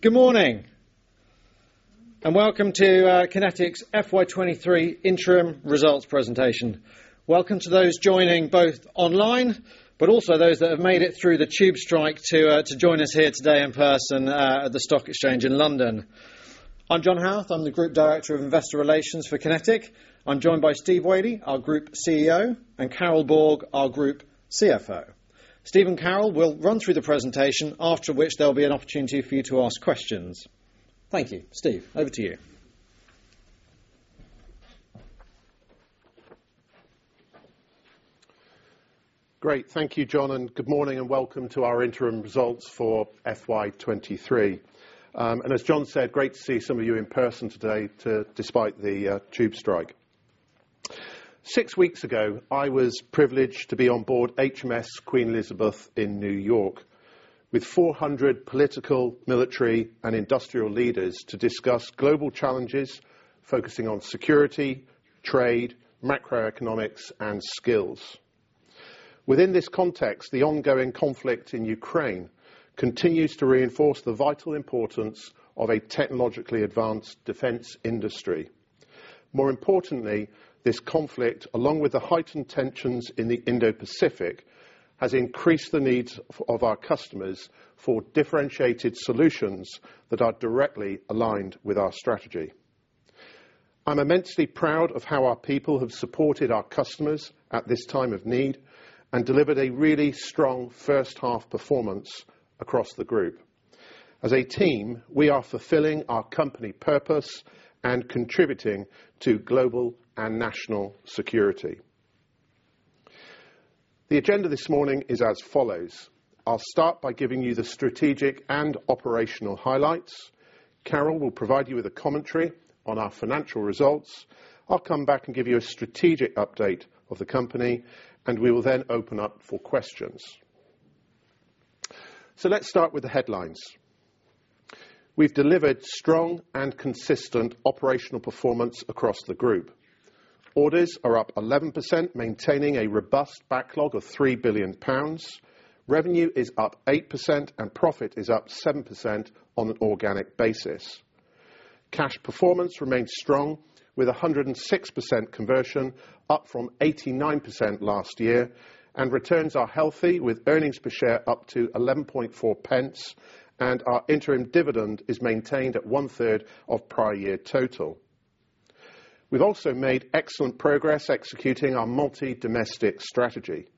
Good morning, and welcome to QinetiQ's FY 2023 interim results presentation. Welcome to those joining both online, but also those that have made it through the tube strike to join us here today in person at the Stock Exchange in London. I'm John Haworth. I'm the Group Director of Investor Relations for QinetiQ. I'm joined by Steve Wadey, our Group CEO, and Carol Borg, our Group CFO. Steve and Carol will run through the presentation after which there'll be an opportunity for you to ask questions. Thank you. Steve, over to you. Great. Thank you, John, and good morning and welcome to our interim results for FY 2023. As John said, great to see some of you in person today despite the tube strike. Six weeks ago, I was privileged to be on board HMS Queen Elizabeth in New York with 400 political, military, and industrial leaders to discuss global challenges focusing on security, trade, macroeconomics, and skills. Within this context, the ongoing conflict in Ukraine continues to reinforce the vital importance of a technologically advanced defense industry. More importantly, this conflict, along with the heightened tensions in the Indo-Pacific, has increased the needs of our customers for differentiated solutions that are directly aligned with our strategy. I'm immensely proud of how our people have supported our customers at this time of need and delivered a really strong first half performance across the group. As a team, we are fulfilling our company purpose and contributing to global and national security. The agenda this morning is as follows. I'll start by giving you the strategic and operational highlights, Carol will provide you with a commentary on our financial results, I'll come back and give you a strategic update of the company, and we will then open up for questions. Let's start with the headlines. We've delivered strong and consistent operational performance across the group. Orders are up 11%, maintaining a robust backlog of 3 billion pounds. Revenue is up 8% and profit is up 7% on an organic basis. Cash performance remains strong with 106% conversion up from 89% last year, and returns are healthy with earnings per share up to 0.114, and our interim dividend is maintained at one-third of prior year total. We've also made excellent progress executing our multi-domestic strategy.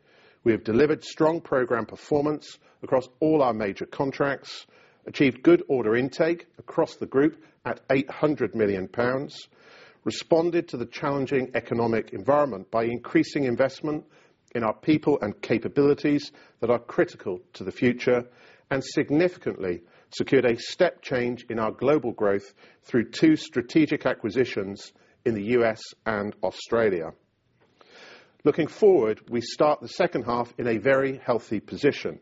We have delivered strong program performance across all our major contracts, achieved good order intake across the group at 800 million pounds, responded to the challenging economic environment by increasing investment in our people and capabilities that are critical to the future, and significantly secured a step change in our global growth through two strategic acquisitions in the U.S. and Australia. Looking forward, we start the second half in a very healthy position.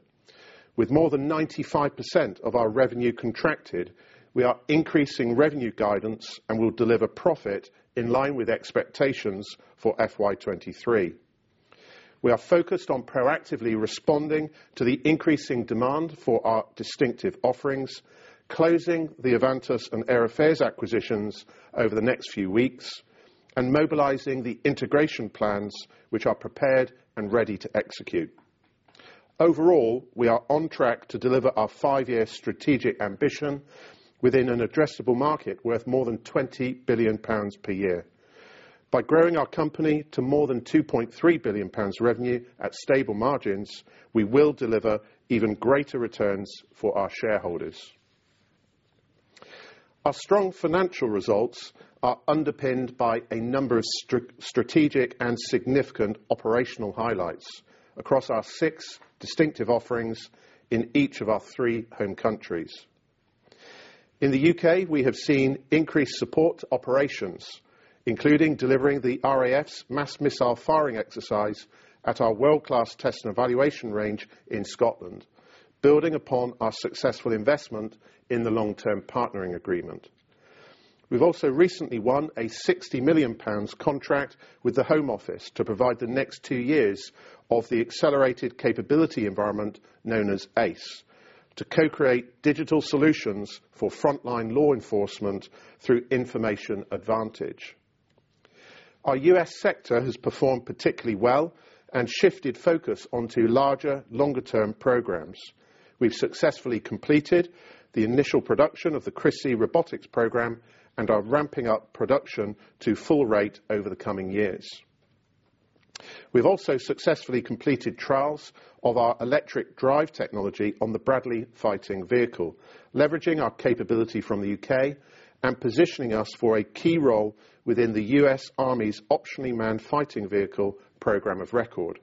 With more than 95% of our revenue contracted, we are increasing revenue guidance and will deliver profit in line with expectations for FY 2023. We are focused on proactively responding to the increasing demand for our distinctive offerings, closing the Avantus and Air Affairs acquisitions over the next few weeks, and mobilizing the integration plans which are prepared and ready to execute. Overall, we are on track to deliver our five-year strategic ambition within an addressable market worth more than 20 billion pounds per year. By growing our company to more than 2.3 billion pounds revenue at stable margins, we will deliver even greater returns for our shareholders. Our strong financial results are underpinned by a number of strategic and significant operational highlights across our six distinctive offerings in each of our three home countries. In the U.K., we have seen increased support operations, including delivering the RAF's mass missile firing exercise at our world-class test and evaluation range in Scotland, building upon our successful investment in the long-term partnering agreement. We've also recently won a 60 million pounds contract with the Home Office to provide the next two years of the Accelerated Capability Environment known as ACE, to co-create digital solutions for frontline law enforcement through information advantage. Our U.S. sector has performed particularly well and shifted focus onto larger, longer-term programs. We've successfully completed the initial production of the CRS-I program and are ramping up production to full rate over the coming years. We've also successfully completed trials of our electric drive technology on the Bradley fighting vehicle, leveraging our capability from the U.K. and positioning us for a key role within the U.S. Army's Optionally Manned Fighting Vehicle program of record.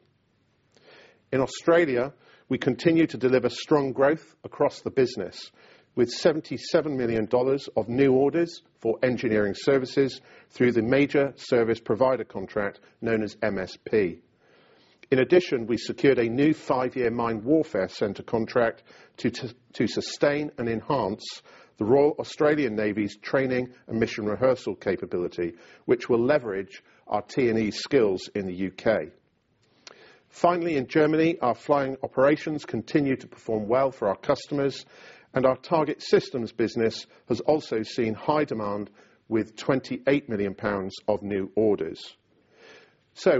In Australia, we continue to deliver strong growth across the business with 77 million dollars of new orders for engineering services through the major service provider contract known as MSP. In addition, we secured a new five-year mine warfare center contract to sustain and enhance the Royal Australian Navy's training and mission rehearsal capability, which will leverage our T&E skills in the U.K. Finally, in Germany, our flying operations continue to perform well for our customers, and our target systems business has also seen high demand with 28 million pounds of new orders.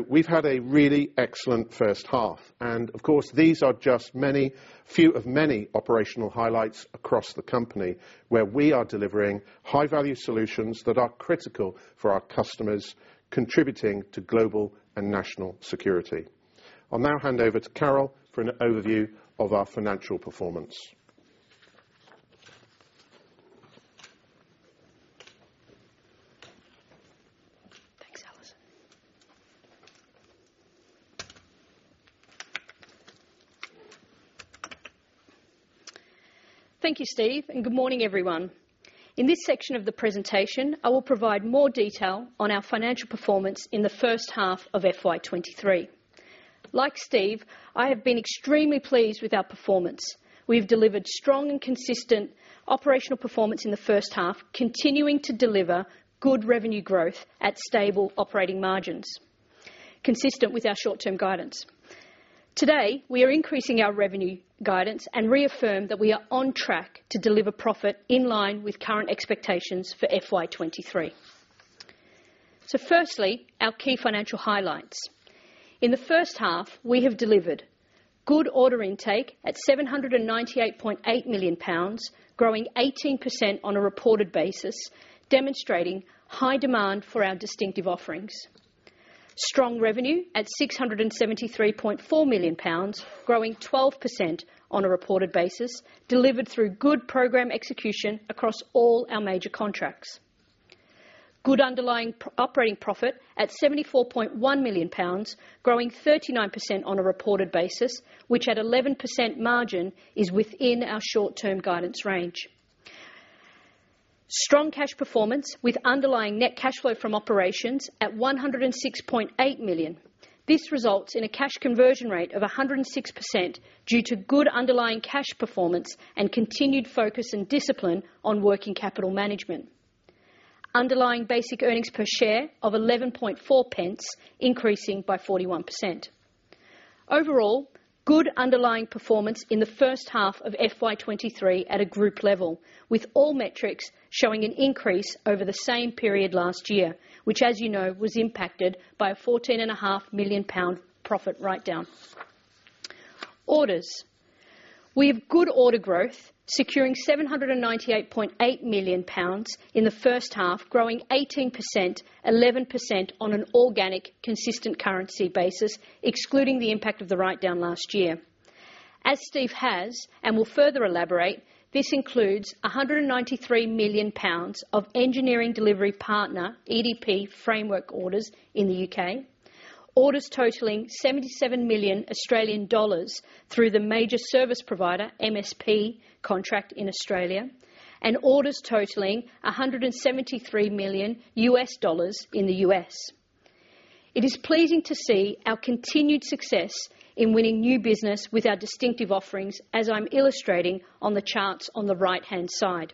We've had a really excellent first half, and of course, these are just a few of many operational highlights across the company where we are delivering high-value solutions that are critical for our customers, contributing to global and national security. I'll now hand over to Carol for an overview of our financial performance. Thanks, Alison. Thank you, Steve, and good morning, everyone. In this section of the presentation, I will provide more detail on our financial performance in the first half of FY 2023. Like Steve, I have been extremely pleased with our performance. We've delivered strong and consistent operational performance in the first half, continuing to deliver good revenue growth at stable operating margins, consistent with our short-term guidance. Today, we are increasing our revenue guidance and reaffirm that we are on track to deliver profit in line with current expectations for FY 2023. Firstly, our key financial highlights. In the first half, we have delivered good order intake at 798.8 million pounds, growing 18% on a reported basis, demonstrating high demand for our distinctive offerings. Strong revenue at 673.4 million pounds, growing 12% on a reported basis, delivered through good program execution across all our major contracts. Good underlying operating profit at 74.1 million pounds, growing 39% on a reported basis, which at 11% margin is within our short-term guidance range. Strong cash performance with underlying net cash flow from operations at 106.8 million. This results in a cash conversion rate of 106% due to good underlying cash performance and continued focus and discipline on working capital management. Underlying basic earnings per share of 11.4 pence, increasing by 41%. Overall, good underlying performance in the first half of FY 2023 at a group level, with all metrics showing an increase over the same period last year, which, as you know, was impacted by a 14.5 million pound profit write-down. Orders. We have good order growth, securing 798.8 million pounds in the first half, growing 18%, 11% on an organic consistent currency basis, excluding the impact of the write-down last year. As Steve has, and will further elaborate, this includes 193 million pounds of engineering delivery partner, EDP, framework orders in the U.K., orders totaling 77 million Australian dollars through the major service provider, MSP, contract in Australia, and orders totaling $173 million in the U.S.. It is pleasing to see our continued success in winning new business with our distinctive offerings, as I'm illustrating on the charts on the right-hand side.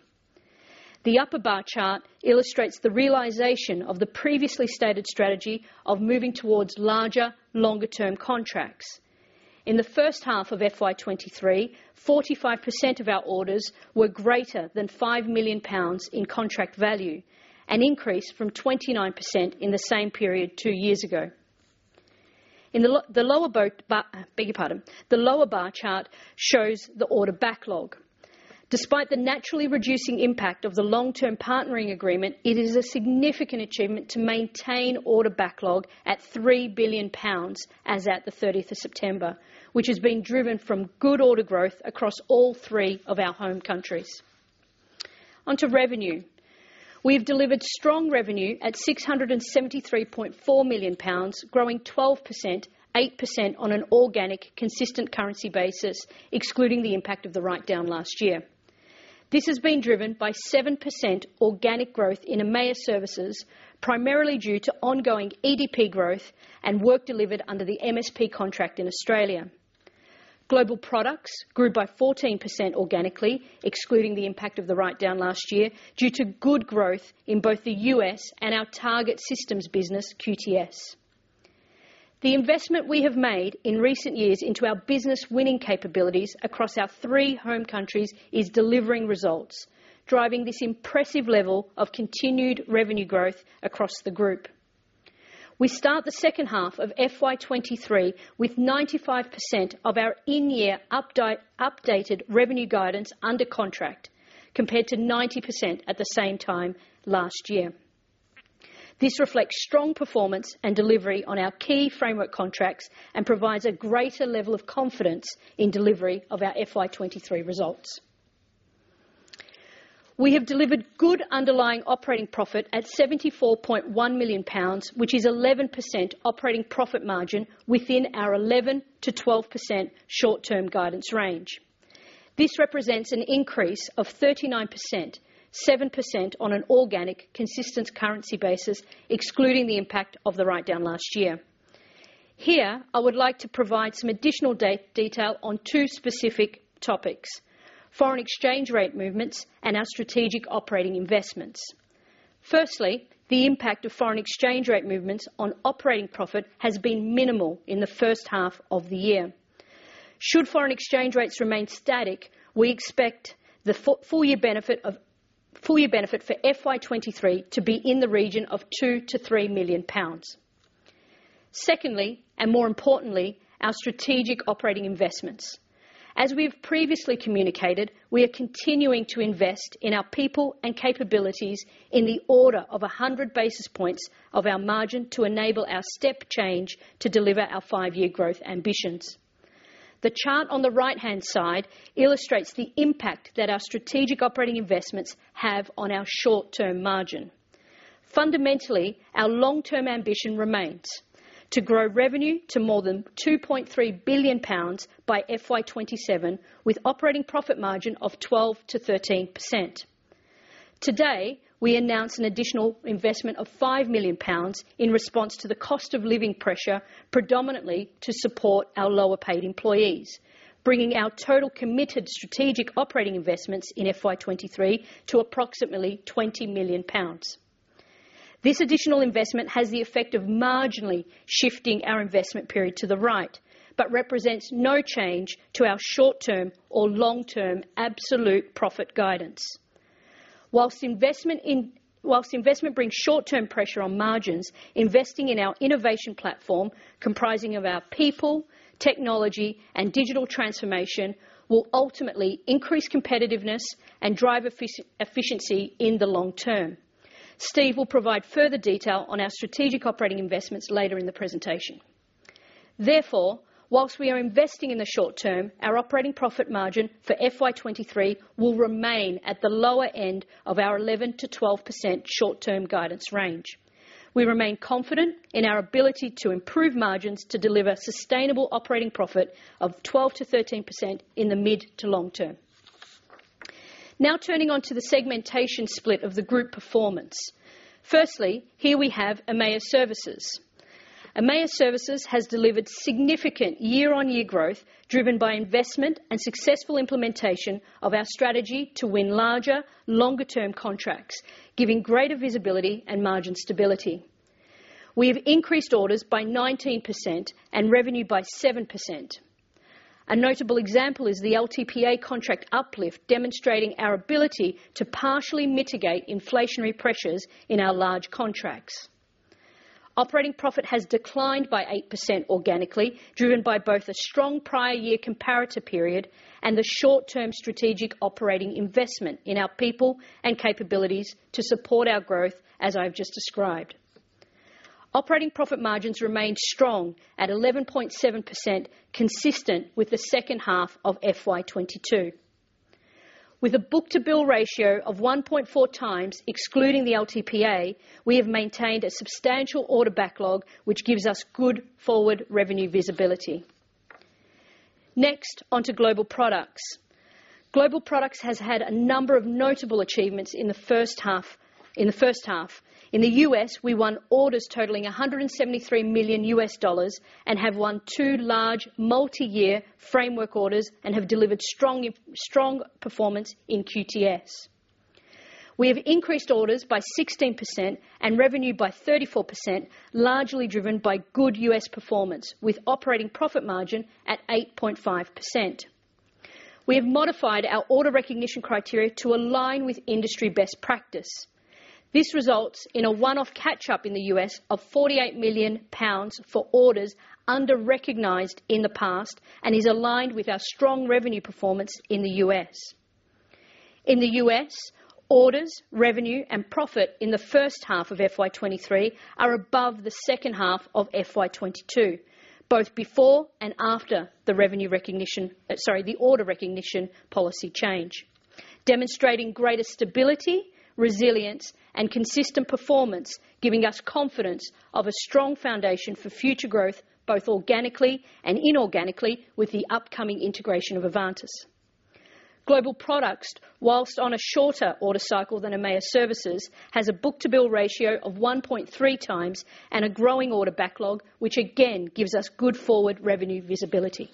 The upper bar chart illustrates the realization of the previously stated strategy of moving towards larger, longer-term contracts. In the first half of FY 2023, 45% of our orders were greater than 5 million pounds in contract value, an increase from 29% in the same period two years ago. The lower bar chart shows the order backlog. Despite the naturally reducing impact of the long-term partnering agreement, it is a significant achievement to maintain order backlog at 3 billion pounds as at the 30th of September, which is being driven from good order growth across all three of our home countries. On to revenue. We have delivered strong revenue at 673.4 million pounds, growing 12%, 8% on an organic consistent currency basis, excluding the impact of the write-down last year. This has been driven by 7% organic growth in EMEA Services, primarily due to ongoing EDP growth and work delivered under the MSP contract in Australia. Global Solutions grew by 14% organically, excluding the impact of the write-down last year, due to good growth in both the U.S. and our target systems business, QTS. The investment we have made in recent years into our business-winning capabilities across our three home countries is delivering results, driving this impressive level of continued revenue growth across the group. We start the second half of FY 2023 with 95% of our in-year updated revenue guidance under contract, compared to 90% at the same time last year. This reflects strong performance and delivery on our key framework contracts and provides a greater level of confidence in delivery of our FY 2023 results. We have delivered good underlying operating profit at 74.1 million pounds, which is 11% operating profit margin within our 11%-12% short-term guidance range. This represents an increase of 39%, 7% on an organic consistent currency basis, excluding the impact of the write-down last year. Here, I would like to provide some additional detail on two specific topics, foreign exchange rate movements and our strategic operating investments. Firstly, the impact of foreign exchange rate movements on operating profit has been minimal in the first half of the year. Should foreign exchange rates remain static, we expect the full year benefit for FY 2023 to be in the region of 2 million-3 million pounds. Secondly, and more importantly, our strategic operating investments. As we have previously communicated, we are continuing to invest in our people and capabilities in the order of 100 basis points of our margin to enable our step change to deliver our five-year growth ambitions. The chart on the right-hand side illustrates the impact that our strategic operating investments have on our short-term margin. Fundamentally, our long-term ambition remains, to grow revenue to more than 2.3 billion pounds by FY 2027 with operating profit margin of 12%-13%. Today, we announce an additional investment of 5 million pounds in response to the cost of living pressure, predominantly to support our lower paid employees, bringing our total committed strategic operating investments in FY 2023 to approximately 20 million pounds. This additional investment has the effect of marginally shifting our investment period to the right, but represents no change to our short-term or long-term absolute profit guidance. While investment brings short-term pressure on margins, investing in our innovation platform comprising of our people, technology, and digital transformation will ultimately increase competitiveness and drive efficiency in the long term. Steve will provide further detail on our strategic operating investments later in the presentation. Therefore, while we are investing in the short term, our operating profit margin for FY 2023 will remain at the lower end of our 11%-12% short-term guidance range. We remain confident in our ability to improve margins to deliver sustainable operating profit of 12%-13% in the mid to long term. Now turning to the segmentation split of the group performance. Firstly, here we have EMEA Services. EMEA Services has delivered significant year-on-year growth driven by investment and successful implementation of our strategy to win larger, longer-term contracts, giving greater visibility and margin stability. We have increased orders by 19% and revenue by 7%. A notable example is the LTPA contract uplift demonstrating our ability to partially mitigate inflationary pressures in our large contracts. Operating profit has declined by 8% organically, driven by both a strong prior year comparator period and the short-term strategic operating investment in our people and capabilities to support our growth, as I've just described. Operating profit margins remain strong at 11.7% consistent with the second half of FY 2022. With a book-to-bill ratio of 1.4 times, excluding the LTPA, we have maintained a substantial order backlog, which gives us good forward revenue visibility. Next, onto Global Products. Global Solutions has had a number of notable achievements in the first half. In the U.S., we won orders totaling $173 million and have won two large multi-year framework orders and have delivered strong performance in QTS. We have increased orders by 16% and revenue by 34%, largely driven by good U.S. performance with operating profit margin at 8.5%. We have modified our order recognition criteria to align with industry best practice. This results in a one-off catch up in the U.S. of 48 million pounds for orders under-recognized in the past and is aligned with our strong revenue performance in the U.S.. In the U.S., orders, revenue, and profit in the first half of FY 2023 are above the second half of FY 2022, both before and after the order recognition policy change, demonstrating greater stability, resilience, and consistent performance, giving us confidence of a strong foundation for future growth, both organically and inorganically with the upcoming integration of Avantus. Global Products, whilst on a shorter order cycle than EMEA Services, has a book-to-bill ratio of 1.3x and a growing order backlog, which again gives us good forward revenue visibility.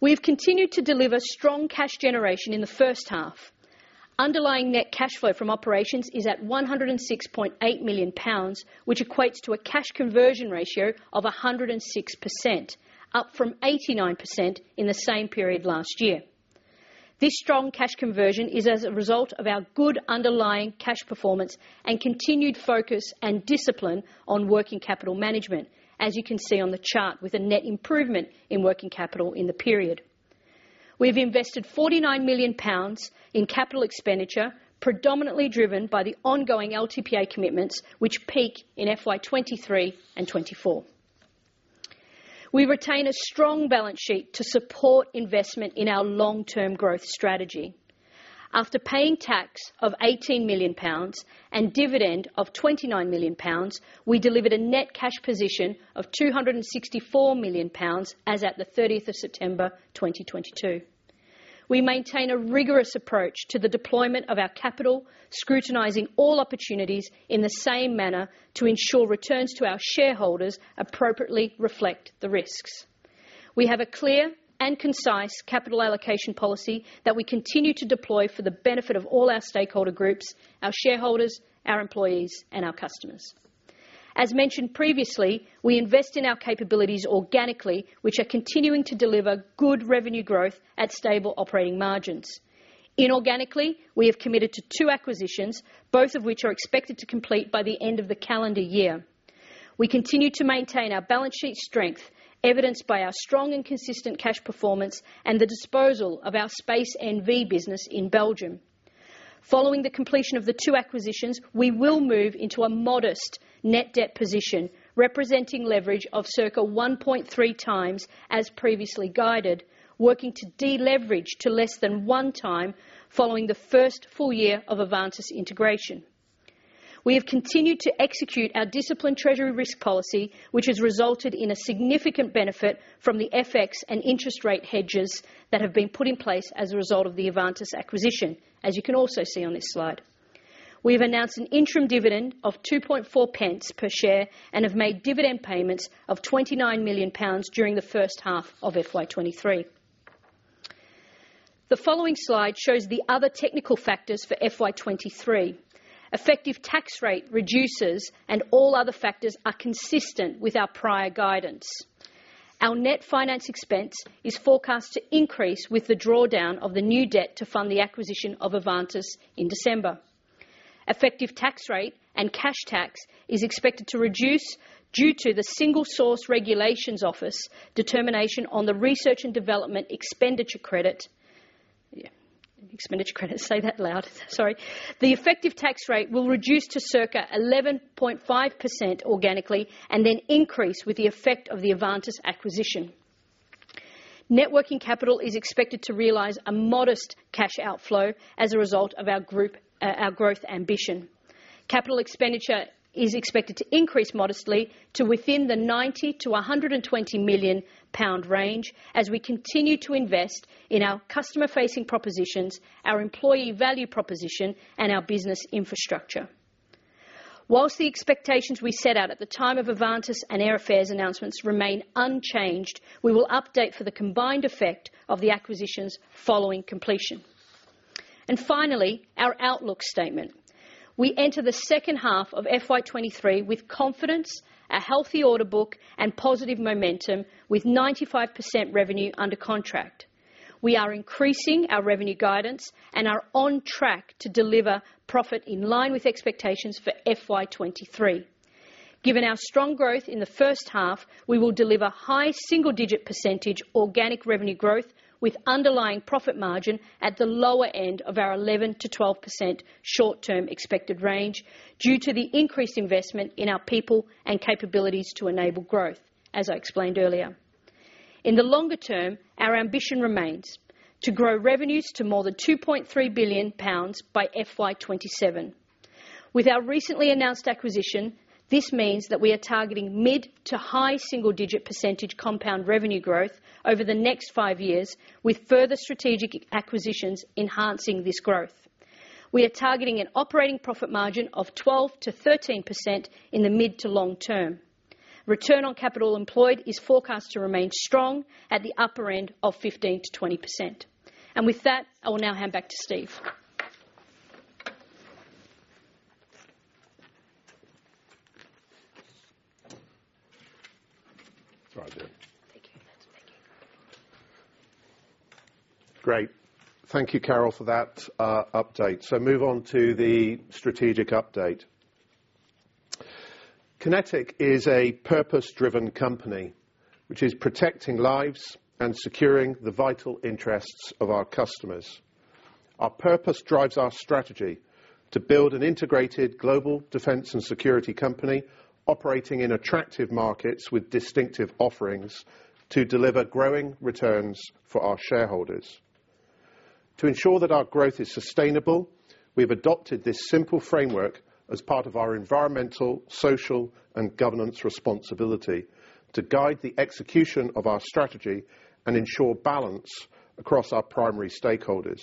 We have continued to deliver strong cash generation in the first half. Underlying net cash flow from operations is at 106.8 million pounds, which equates to a cash conversion ratio of 106%, up from 89% in the same period last year. This strong cash conversion is as a result of our good underlying cash performance and continued focus and discipline on working capital management, as you can see on the chart, with a net improvement in working capital in the period. We've invested 49 million pounds in capital expenditure, predominantly driven by the ongoing LTPA commitments, which peak in FY 2023 and 2024. We retain a strong balance sheet to support investment in our long-term growth strategy. After paying tax of GBP 18 million and dividend of GBP 29 million, we delivered a net cash position of GBP 264 million as at the 30th of September 2022. We maintain a rigorous approach to the deployment of our capital, scrutinizing all opportunities in the same manner to ensure returns to our shareholders appropriately reflect the risks. We have a clear and concise capital allocation policy that we continue to deploy for the benefit of all our stakeholder groups, our shareholders, our employees, and our customers. As mentioned previously, we invest in our capabilities organically, which are continuing to deliver good revenue growth at stable operating margins. Inorganically, we have committed to two acquisitions, both of which are expected to complete by the end of the calendar year. We continue to maintain our balance sheet strength, evidenced by our strong and consistent cash performance and the disposal of our QinetiQ Space NV business in Belgium. Following the completion of the two acquisitions, we will move into a modest net debt position, representing leverage of circa 1.3x as previously guided, working to deleverage to less than 1x following the first full year of Avantus integration. We have continued to execute our disciplined treasury risk policy, which has resulted in a significant benefit from the FX and interest rate hedges that have been put in place as a result of the Avantus acquisition, as you can also see on this slide. We have announced an interim dividend of 2.4 pence per share and have made dividend payments of 29 million pounds during the first half of FY 2023. The following slide shows the other technical factors for FY 2023. Effective tax rate reduces and all other factors are consistent with our prior guidance. Our net finance expense is forecast to increase with the drawdown of the new debt to fund the acquisition of Avantus in December. Effective tax rate and cash tax is expected to reduce due to the Single Source Regulations Office determination on the Research and Development Expenditure Credit. Say that loud. Sorry. The effective tax rate will reduce to circa 11.5% organically and then increase with the effect of the Avantus acquisition. Net working capital is expected to realize a modest cash outflow as a result of our group, our growth ambition. Capital expenditure is expected to increase modestly to within the 90 million-120 million pound range as we continue to invest in our customer-facing propositions, our employee value proposition, and our business infrastructure. While the expectations we set out at the time of Avantus and Air Affairs announcements remain unchanged, we will update for the combined effect of the acquisitions following completion. Finally, our outlook statement. We enter the second half of FY 2023 with confidence, a healthy order book, and positive momentum with 95% revenue under contract. We are increasing our revenue guidance and are on track to deliver profit in line with expectations for FY 2023. Given our strong growth in the first half, we will deliver high single-digit percentage organic revenue growth with underlying profit margin at the lower end of our 11%-12% short-term expected range due to the increased investment in our people and capabilities to enable growth, as I explained earlier. In the longer term, our ambition remains to grow revenues to more than 2.3 billion pounds by FY 2027. With our recently announced acquisition, this means that we are targeting mid- to high single-digit % compound revenue growth over the next five years with further strategic acquisitions enhancing this growth. We are targeting an operating profit margin of 12%-13% in the mid- to long term. Return on capital employed is forecast to remain strong at the upper end of 15%-20%. With that, I will now hand back to Steve. It's all right, dear. Thank you. Thank you. Great. Thank you, Carol, for that update. Move on to the strategic update. QinetiQ is a purpose-driven company which is protecting lives and securing the vital interests of our customers. Our purpose drives our strategy to build an integrated global defense and security company operating in attractive markets with distinctive offerings to deliver growing returns for our shareholders. To ensure that our growth is sustainable, we've adopted this simple framework as part of our environmental, social, and governance responsibility to guide the execution of our strategy and ensure balance across our primary stakeholders.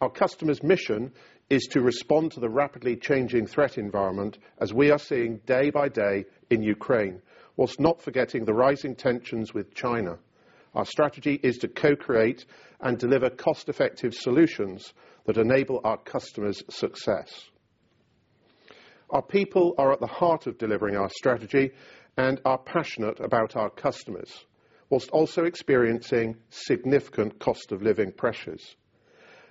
Our customer's mission is to respond to the rapidly changing threat environment as we are seeing day by day in Ukraine, while not forgetting the rising tensions with China. Our strategy is to co-create and deliver cost-effective solutions that enable our customers' success. Our people are at the heart of delivering our strategy and are passionate about our customers, while also experiencing significant cost of living pressures.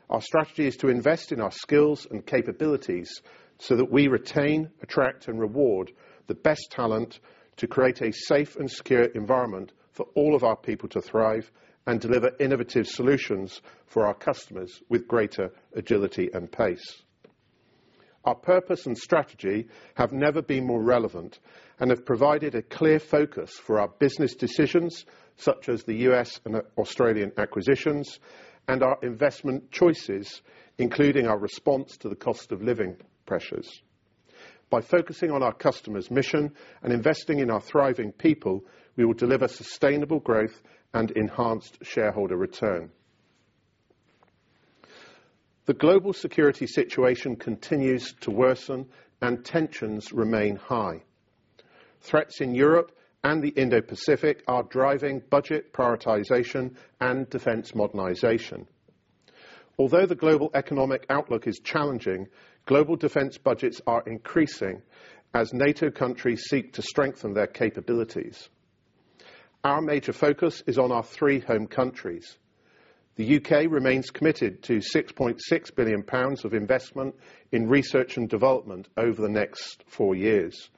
Our strategy is to invest in our skills and capabilities so that we retain, attract, and reward the best talent to create a safe and secure environment for all of our people to thrive and deliver innovative solutions for our customers with greater agility and pace. Our purpose and strategy have never been more relevant and have provided a clear focus for our business decisions, such as the U.S. and Australian acquisitions and our investment choices, including our response to the cost of living pressures. By focusing on our customer's mission and investing in our thriving people, we will deliver sustainable growth and enhanced shareholder return. The global security situation continues to worsen and tensions remain high. Threats in Europe and the Indo-Pacific are driving budget prioritization and defense modernization. Although the global economic outlook is challenging, global defense budgets are increasing as NATO countries seek to strengthen their capabilities. Our major focus is on our three home countries. The U.K. remains committed to 6.6 billion pounds of investment in research and development over the next four years.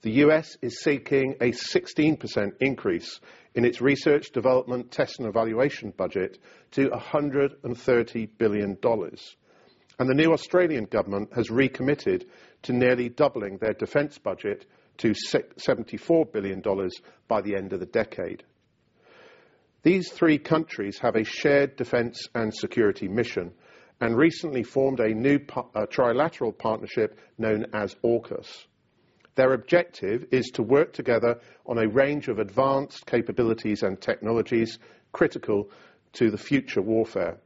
The U.S. is seeking a 16% increase in its research, development, test, and evaluation budget to $130 billion. The new Australian government has recommitted to nearly doubling their defense budget to $74 billion by the end of the decade. These three countries have a shared defense and security mission, and recently formed a new trilateral partnership known as AUKUS. Their objective is to work together on a range of advanced capabilities and technologies critical to the future warfare,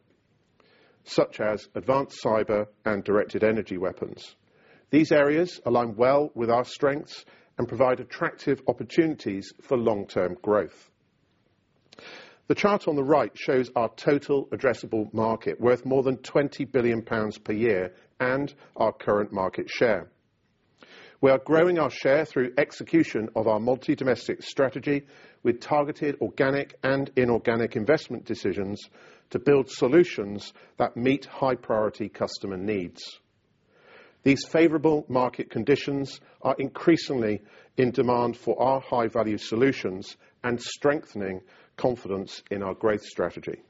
such as advanced cyber and directed energy weapons. These areas align well with our strengths and provide attractive opportunities for long-term growth. The chart on the right shows our total addressable market, worth more than 20 billion pounds per year, and our current market share. We are growing our share through execution of our multi-domestic strategy with targeted organic and inorganic investment decisions to build solutions that meet high-priority customer needs. These favorable market conditions are increasingly in demand for our high-value solutions and strengthening confidence in our growth strategy.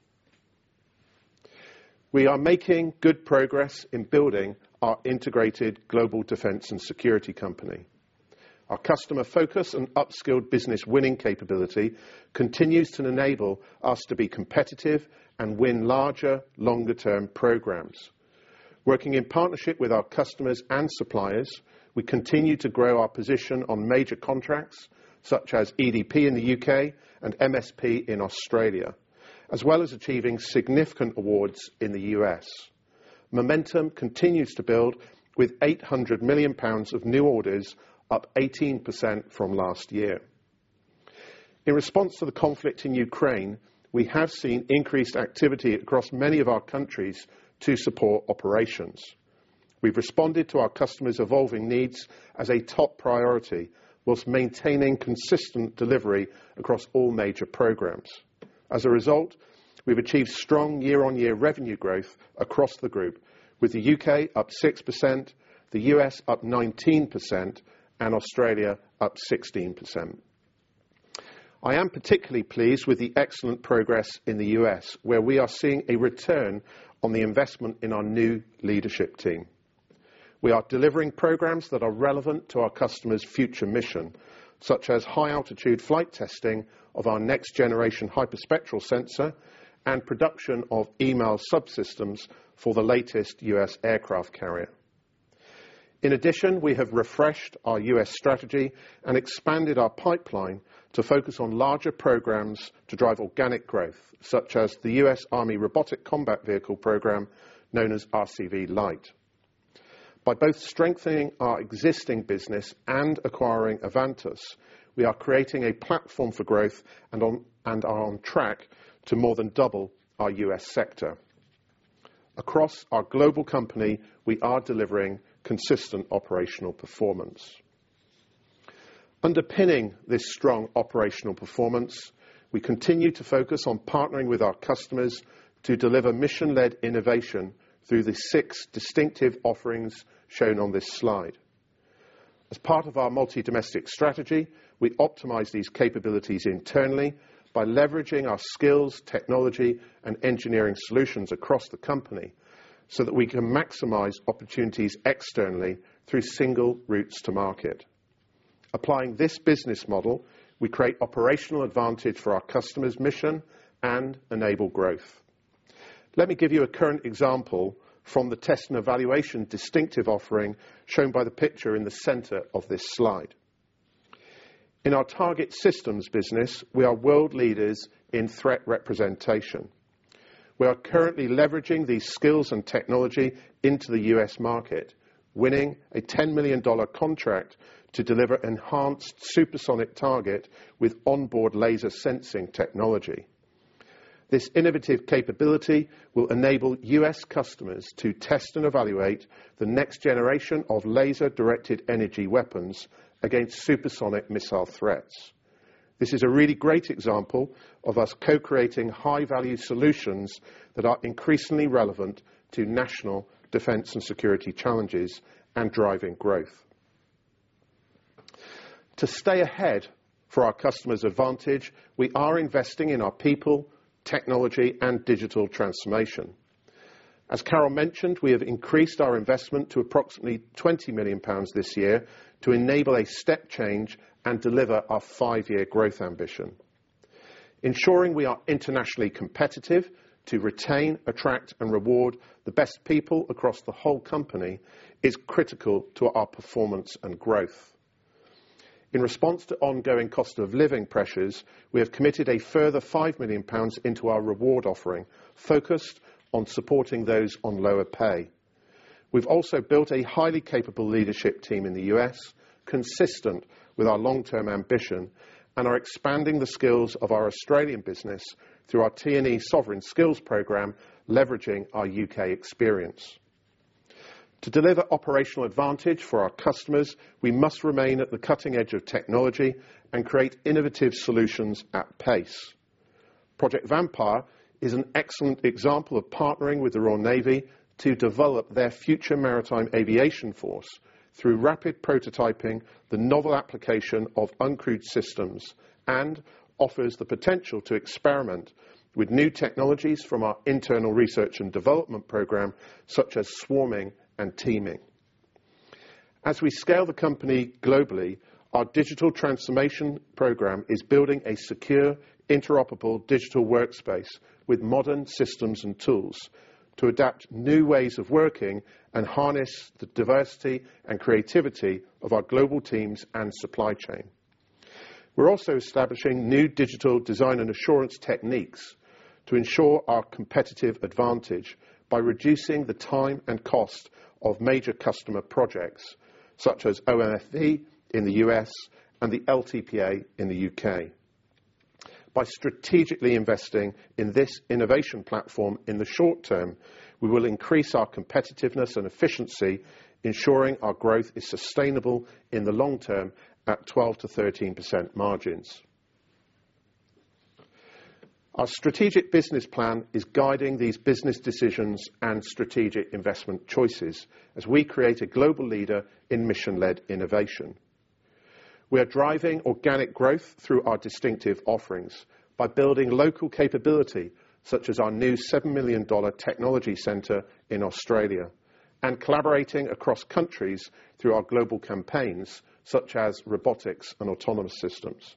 We are making good progress in building our integrated global defense and security company. Our customer focus and upskilled business-winning capability continues to enable us to be competitive and win larger, longer-term programs. Working in partnership with our customers and suppliers, we continue to grow our position on major contracts such as EDP in the U.K. and MSP in Australia, as well as achieving significant awards in the U.S.. Momentum continues to build with 800 million pounds of new orders, up 18% from last year. In response to the conflict in Ukraine, we have seen increased activity across many of our countries to support operations. We've responded to our customers' evolving needs as a top priority while maintaining consistent delivery across all major programs. As a result, we've achieved strong year-on-year revenue growth across the group, with the U.K. up 6%, the U.S. up 19%, and Australia up 16%. I am particularly pleased with the excellent progress in the U.S., where we are seeing a return on the investment in our new leadership team. We are delivering programs that are relevant to our customers' future mission, such as high-altitude flight testing of our next-generation hyperspectral sensor and production of EMALS subsystems for the latest U.S. aircraft carrier. In addition, we have refreshed our U.S. strategy and expanded our pipeline to focus on larger programs to drive organic growth, such as the U.S. Army Robotic Combat Vehicle program, known as RCV-Light. By both strengthening our existing business and acquiring Avantus, we are creating a platform for growth and are on track to more than double our U.S. sector. Across our global company, we are delivering consistent operational performance. Underpinning this strong operational performance, we continue to focus on partnering with our customers to deliver mission-led innovation through the six distinctive offerings shown on this slide. As part of our multi-domestic strategy, we optimize these capabilities internally by leveraging our skills, technology, and engineering solutions across the company so that we can maximize opportunities externally through single routes to market. Applying this business model, we create operational advantage for our customers' mission and enable growth. Let me give you a current example from the test and evaluation distinctive offering shown by the picture in the center of this slide. In our target systems business, we are world leaders in threat representation. We are currently leveraging these skills and technology into the U.S. market, winning a $10 million contract to deliver enhanced supersonic target with onboard laser sensing technology. This innovative capability will enable U.S. customers to test and evaluate the next generation of laser-directed energy weapons against supersonic missile threats. This is a really great example of us co-creating high-value solutions that are increasingly relevant to national defense and security challenges and driving growth. To stay ahead for our customers' advantage, we are investing in our people, technology, and digital transformation. As Carol mentioned, we have increased our investment to approximately 20 million pounds this year to enable a step change and deliver our five-year growth ambition. Ensuring we are internationally competitive to retain, attract, and reward the best people across the whole company is critical to our performance and growth. In response to ongoing cost of living pressures, we have committed a further GBP 5 million into our reward offering, focused on supporting those on lower pay. We've also built a highly capable leadership team in the U.S., consistent with our long-term ambition, and are expanding the skills of our Australian business through our T&E Sovereign Skills Program, leveraging our U.K. experience. To deliver operational advantage for our customers, we must remain at the cutting edge of technology and create innovative solutions at pace. Project Vampire is an excellent example of partnering with the Royal Navy to develop their future maritime aviation force through rapid prototyping, the novel application of uncrewed systems, and offers the potential to experiment with new technologies from our internal research and development program, such as swarming and teaming. As we scale the company globally, our digital transformation program is building a secure, interoperable digital workspace with modern systems and tools to adapt new ways of working and harness the diversity and creativity of our global teams and supply chain. We're also establishing new digital design and assurance techniques to ensure our competitive advantage by reducing the time and cost of major customer projects, such as OMFV in the U.S. and the LTPA in the U.K.. By strategically investing in this innovation platform in the short term, we will increase our competitiveness and efficiency, ensuring our growth is sustainable in the long term at 12%-13% margins. Our strategic business plan is guiding these business decisions and strategic investment choices as we create a global leader in mission-led innovation. We are driving organic growth through our distinctive offerings by building local capability, such as our new 7 million dollar technology center in Australia, and collaborating across countries through our global campaigns, such as robotics and autonomous systems.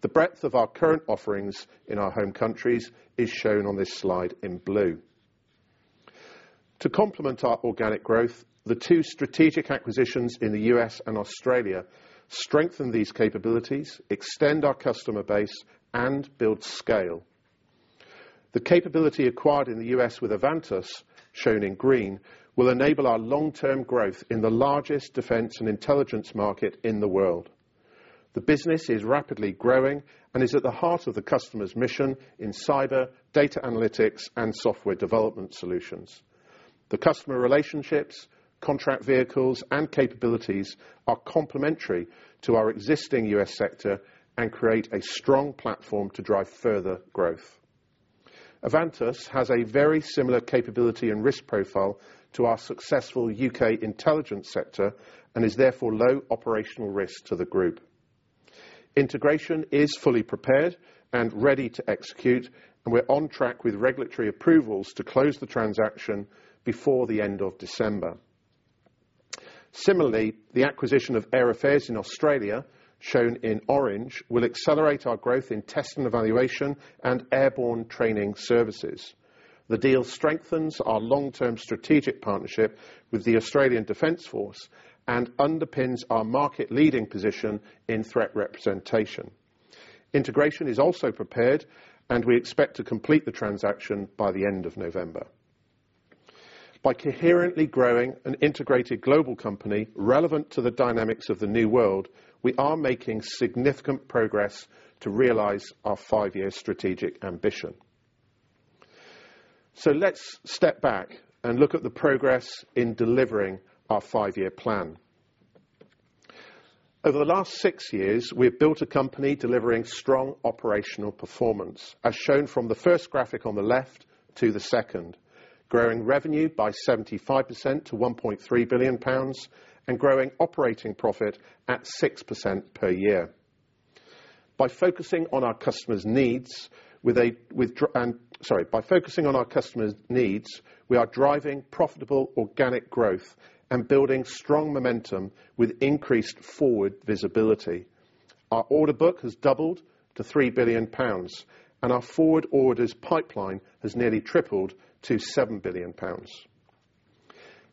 The breadth of our current offerings in our home countries is shown on this slide in blue. To complement our organic growth, the two strategic acquisitions in the U.S. and Australia strengthen these capabilities, extend our customer base, and build scale. The capability acquired in the U.S. with Avantus, shown in green, will enable our long-term growth in the largest defense and intelligence market in the world. The business is rapidly growing and is at the heart of the customer's mission in cyber, data analytics, and software development solutions. The customer relationships, contract vehicles, and capabilities are complementary to our existing U.S. sector and create a strong platform to drive further growth. Avantus has a very similar capability and risk profile to our successful U.K. intelligence sector and is therefore low operational risk to the group. Integration is fully prepared and ready to execute, and we're on track with regulatory approvals to close the transaction before the end of December. Similarly, the acquisition of Air Affairs in Australia, shown in orange, will accelerate our growth in test and evaluation and airborne training services. The deal strengthens our long-term strategic partnership with the Australian Defense Force and underpins our market-leading position in threat representation. Integration is also prepared, and we expect to complete the transaction by the end of November. By coherently growing an integrated global company relevant to the dynamics of the new world, we are making significant progress to realize our five-year strategic ambition. Let's step back and look at the progress in delivering our five-year plan. Over the last six years, we have built a company delivering strong operational performance, as shown from the first graphic on the left to the second, growing revenue by 75% to 1.3 billion pounds and growing operating profit at 6% per year. By focusing on our customers' needs, we are driving profitable organic growth and building strong momentum with increased forward visibility. Our order book has doubled to 3 billion pounds, and our forward orders pipeline has nearly tripled to 7 billion pounds.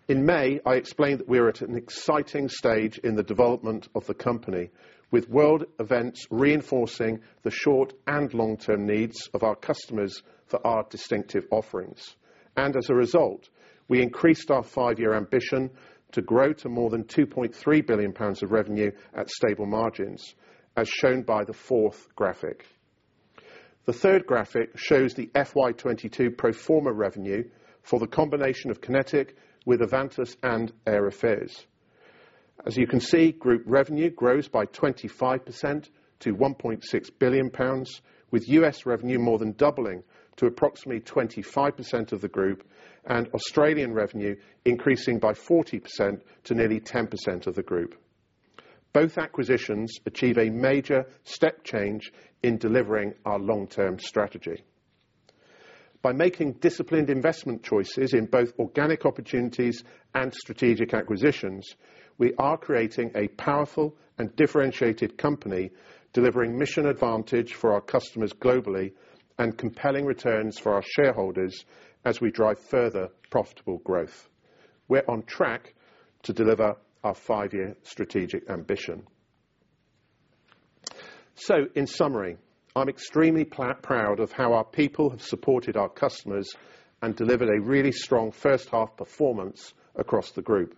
In May, I explained that we are at an exciting stage in the development of the company, with world events reinforcing the short and long-term needs of our customers for our distinctive offerings. As a result, we increased our five-year ambition to grow to more than 2.3 billion pounds of revenue at stable margins, as shown by the fourth graphic. The third graphic shows the FY 2022 pro forma revenue for the combination of QinetiQ with Avantus and Air Affairs. As you can see, group revenue grows by 25% to 1.6 billion pounds, with U.S. revenue more than doubling to approximately 25% of the group and Australian revenue increasing by 40% to nearly 10% of the group. Both acquisitions achieve a major step change in delivering our long-term strategy. By making disciplined investment choices in both organic opportunities and strategic acquisitions, we are creating a powerful and differentiated company delivering mission advantage for our customers globally and compelling returns for our shareholders as we drive further profitable growth. We're on track to deliver our five-year strategic ambition. In summary, I'm extremely proud of how our people have supported our customers and delivered a really strong first half performance across the group.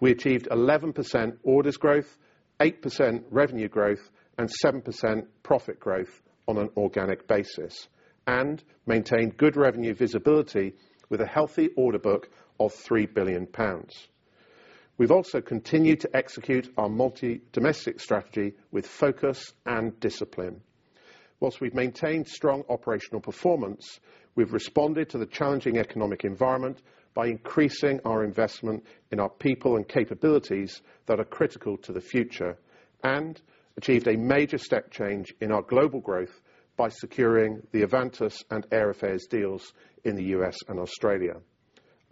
We achieved 11% orders growth, 8% revenue growth, and 7% profit growth on an organic basis, and maintained good revenue visibility with a healthy order book of 3 billion pounds. We've also continued to execute our multi-domestic strategy with focus and discipline. While we've maintained strong operational performance, we've responded to the challenging economic environment by increasing our investment in our people and capabilities that are critical to the future, and achieved a major step change in our global growth by securing the Avantus and Air Affairs deals in the U.S. and Australia.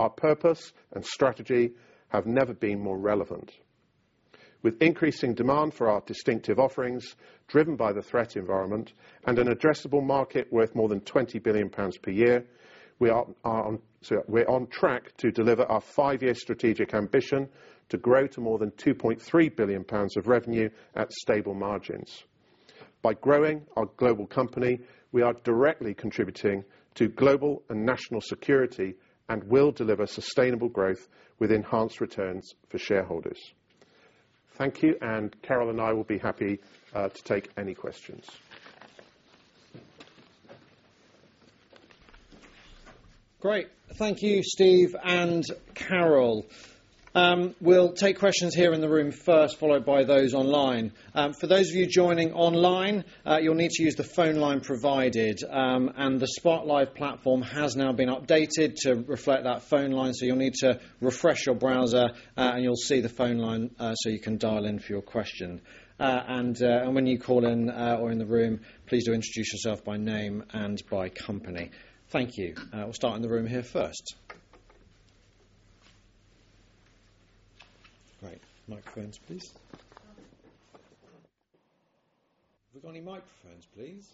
Our purpose and strategy have never been more relevant. With increasing demand for our distinctive offerings driven by the threat environment and an addressable market worth more than 20 billion pounds per year, we are on track to deliver our five-year strategic ambition to grow to more than 2.3 billion pounds of revenue at stable margins. By growing our global company, we are directly contributing to global and national security and will deliver sustainable growth with enhanced returns for shareholders. Thank you, and Carol and I will be happy to take any questions. Great. Thank you, Steve and Carol. We'll take questions here in the room first, followed by those online. For those of you joining online, you'll need to use the phone line provided, and the Spotlight platform has now been updated to reflect that phone line, so you'll need to refresh your browser, and you'll see the phone line, so you can dial in for your question. When you call in, or in the room, please do introduce yourself by name and by company. Thank you. We'll start in the room here first. Great. Microphones, please. Have we got any microphones, please?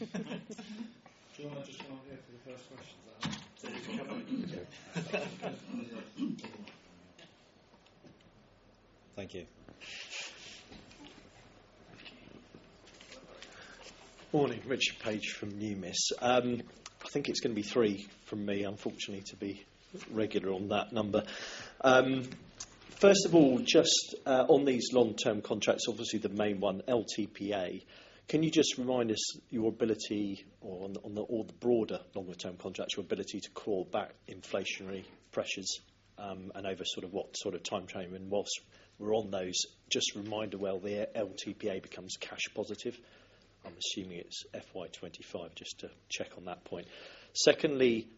Do you wanna just come up here for the first question? Thank you. Okay. Morning. Rich Paige from Numis. I think it's gonna be three from me. Unfortunately, to be regular on that number. First of all, just on these long-term contracts, obviously the main one, LTPA. Can you just remind us your ability or on the broader longer term contracts, your ability to claw back inflationary pressures, and over sort of what sort of time frame? Whilst we're on those, just remind where the LTPA becomes cash positive. I'm assuming it's FY 2025, just to check on that point. Secondly,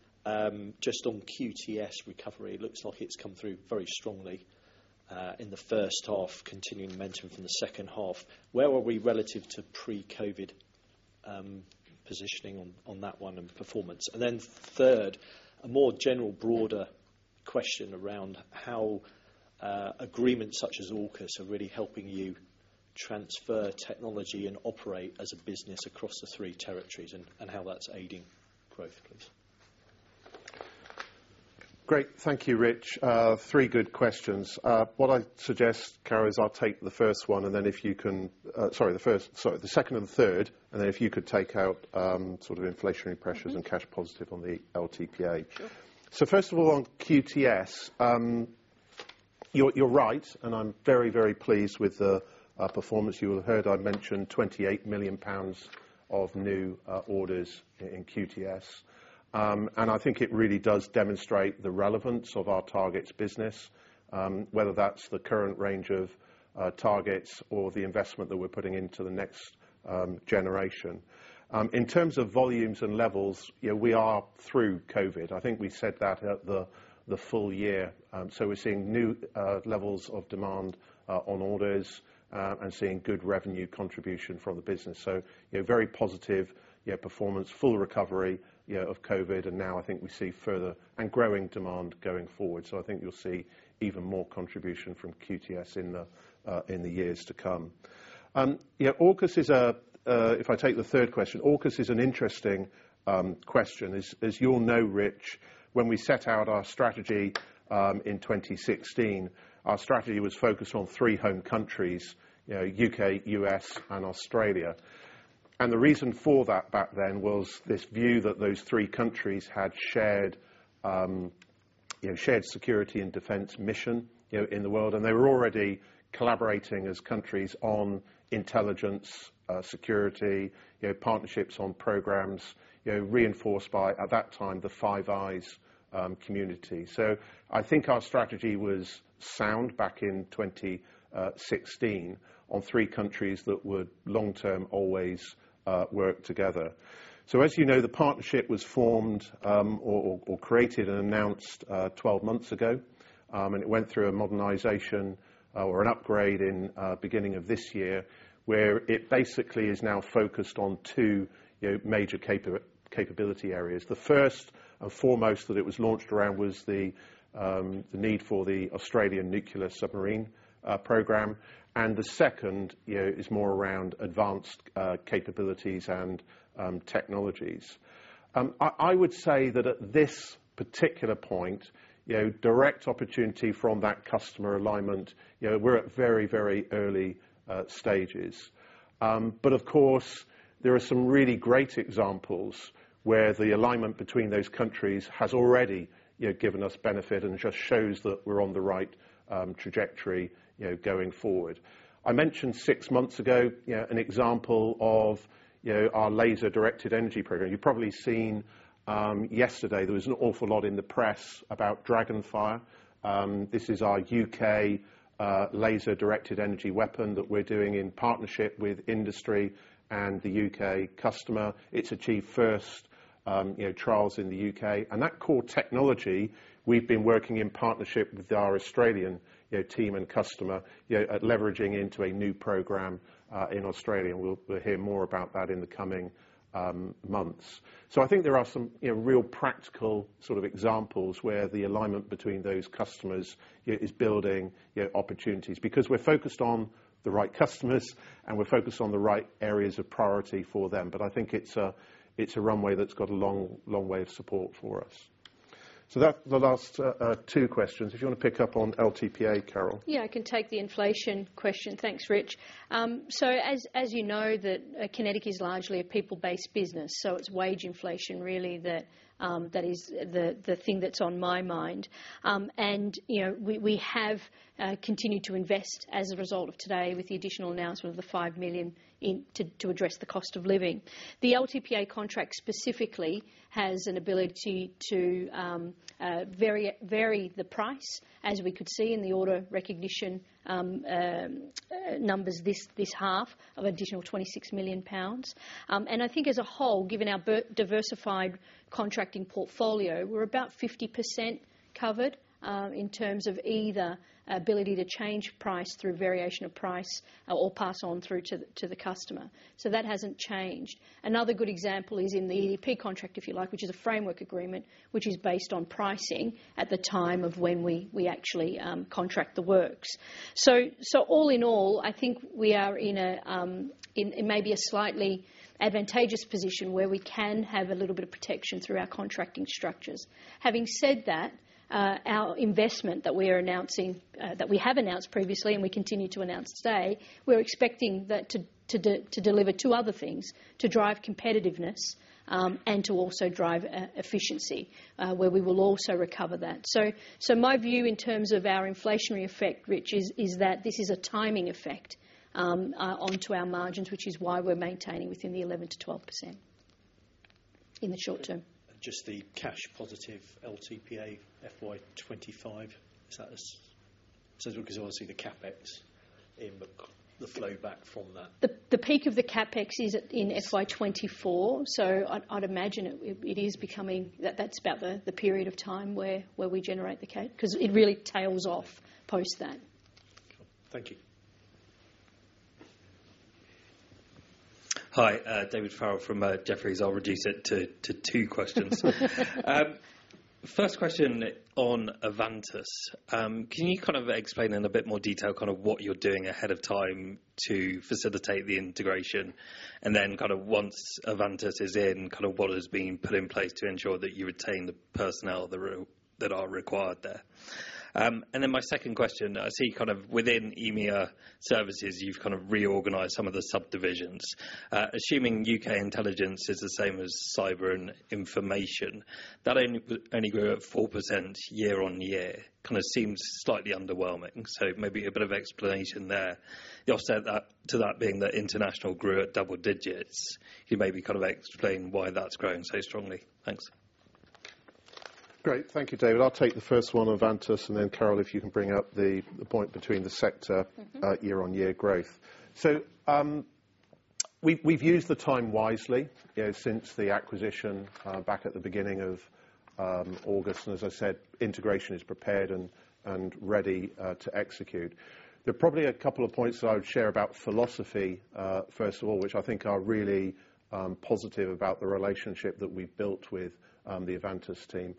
just on QTS recovery. It looks like it's come through very strongly in the first half, continuing momentum from the second half. Where are we relative to pre-COVID positioning on that one and performance? Then third, a more general, broader question around how agreements such as AUKUS are really helping you transfer technology and operate as a business across the three territories, and how that's aiding growth, please? Great. Thank you, Rich. Three good questions. What I suggest, Carol, is I'll take the first one, and then if you can, sorry, the second and third, and then if you could take out sort of inflationary pressures. Mm-hmm. Cash positive on the LTPA. Sure. First of all, on QTS, you're right, and I'm very, very pleased with the performance. You'll have heard I've mentioned 28 million pounds of new orders in QTS. I think it really does demonstrate the relevance of our targets business, whether that's the current range of targets or the investment that we're putting into the next generation. In terms of volumes and levels, you know, we are through COVID. I think we said that at the full year. We're seeing new levels of demand on orders, and seeing good revenue contribution from the business. You know, very positive, yeah, performance, full recovery, yeah, of COVID, and now I think we see further and growing demand going forward. I think you'll see even more contribution from QTS in the years to come. AUKUS is an interesting question. As you all know, Rich, when we set out our strategy in 2016, our strategy was focused on three home countries, you know, U.K., U.S., and Australia. The reason for that back then was this view that those three countries had shared security and defense mission, you know, in the world, and they were already collaborating as countries on intelligence, security, you know, partnerships on programs, you know, reinforced by, at that time, the Five Eyes community. I think our strategy was sound back in 2016 on three countries that would long-term always work together. As you know, the partnership was formed, or created and announced, 12 months ago. It went through a modernization or an upgrade in the beginning of this year, where it basically is now focused on two, you know, major capability areas. The first and foremost, that it was launched around was the need for the Australian nuclear submarine program. The second, you know, is more around advanced capabilities and technologies. I would say that at this particular point, you know, direct opportunity from that customer alignment, you know, we're at very early stages. Of course, there are some really great examples where the alignment between those countries has already, you know, given us benefit and just shows that we're on the right trajectory, you know, going forward. I mentioned six months ago, you know, an example of, you know, our laser directed energy program. You've probably seen, yesterday there was an awful lot in the press about DragonFire. This is our U.K., laser-directed energy weapon that we're doing in partnership with industry and the U.K. customer. It's achieved first, you know, trials in the U.K.. That core technology, we've been working in partnership with our Australian, you know, team and customer, you know, at leveraging into a new program, in Australia, and we'll hear more about that in the coming, months. I think there are some, you know, real practical sort of examples where the alignment between those customers, you know, is building, you know, opportunities. Because we're focused on the right customers, and we're focused on the right areas of priority for them. I think it's a runway that's got a long way of support for us. That's the last two questions. If you wanna pick up on LTPA, Carol. Yeah, I can take the inflation question. Thanks, Rich. As you know that QinetiQ is largely a people-based business, so it's wage inflation really that is the thing that's on my mind. You know, we have continued to invest as a result of today with the additional announcement of the 5 million to address the cost of living. The LTPA contract specifically has an ability to vary the price, as we could see in the order recognition numbers this half of additional 26 million pounds. I think as a whole, given our diversified contracting portfolio, we're about 50% covered in terms of either ability to change price through variation of price or pass on through to the customer. That hasn't changed. Another good example is in the EDP contract, if you like, which is a framework agreement, which is based on pricing at the time of when we actually contract the works. So all in all, I think we are in a slightly advantageous position where we can have a little bit of protection through our contracting structures. Having said that, our investment that we are announcing, that we have announced previously and we continue to announce today, we're expecting that to deliver two other things, to drive competitiveness, and to also drive efficiency, where we will also recover that. My view in terms of our inflationary effect, Rich, is that this is a timing effect onto our margins, which is why we're maintaining within the 11%-12% in the short term. Just the cash positive LTPA FY 2025, is that? As we can all see, the CapEx in the cash flow back from that. The peak of the CapEx is in FY 2024, so I'd imagine it is becoming that. That's about the period of time where we generate the cash because it really tails off post that. Cool. Thank you. Hi, David Farrell from Jefferies. I'll reduce it to two questions. First question on Avantus. Can you kind of explain in a bit more detail kind of what you're doing ahead of time to facilitate the integration? And then kind of once Avantus is in, kind of what has been put in place to ensure that you retain the personnel that are required there. And then my second question, I see kind of within EMEA Services, you've kind of reorganized some of the subdivisions. Assuming U.K. intelligence is the same as cyber and information, that only grew at 4% year-on-year. Kinda seems slightly underwhelming, so maybe a bit of explanation there. The offset to that being that international grew at double digits. Can you maybe kind of explain why that's growing so strongly? Thanks. Great. Thank you, David. I'll take the first one on Avantus, and then Carol, if you can bring up the point between the sector. Mm-hmm Year-on-year growth. We've used the time wisely, you know, since the acquisition back at the beginning of August. As I said, integration is prepared and ready to execute. There are probably a couple of points that I would share about philosophy, first of all, which I think are really positive about the relationship that we've built with the Avantus team.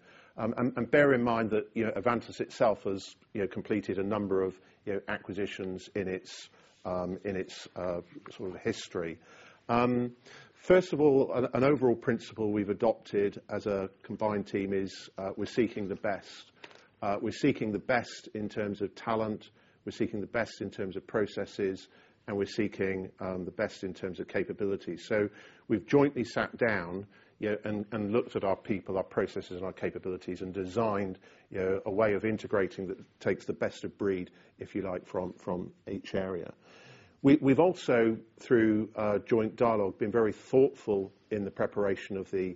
Bear in mind that, you know, Avantus itself has, you know, completed a number of, you know, acquisitions in its in its sort of history. First of all, an overall principle we've adopted as a combined team is, we're seeking the best in terms of talent, we're seeking the best in terms of processes, and we're seeking the best in terms of capabilities. We've jointly sat down, you know, and looked at our people, our processes and our capabilities and designed, you know, a way of integrating that takes the best of breed, if you like, from each area. We've also, through a joint dialogue, been very thoughtful in the preparation of the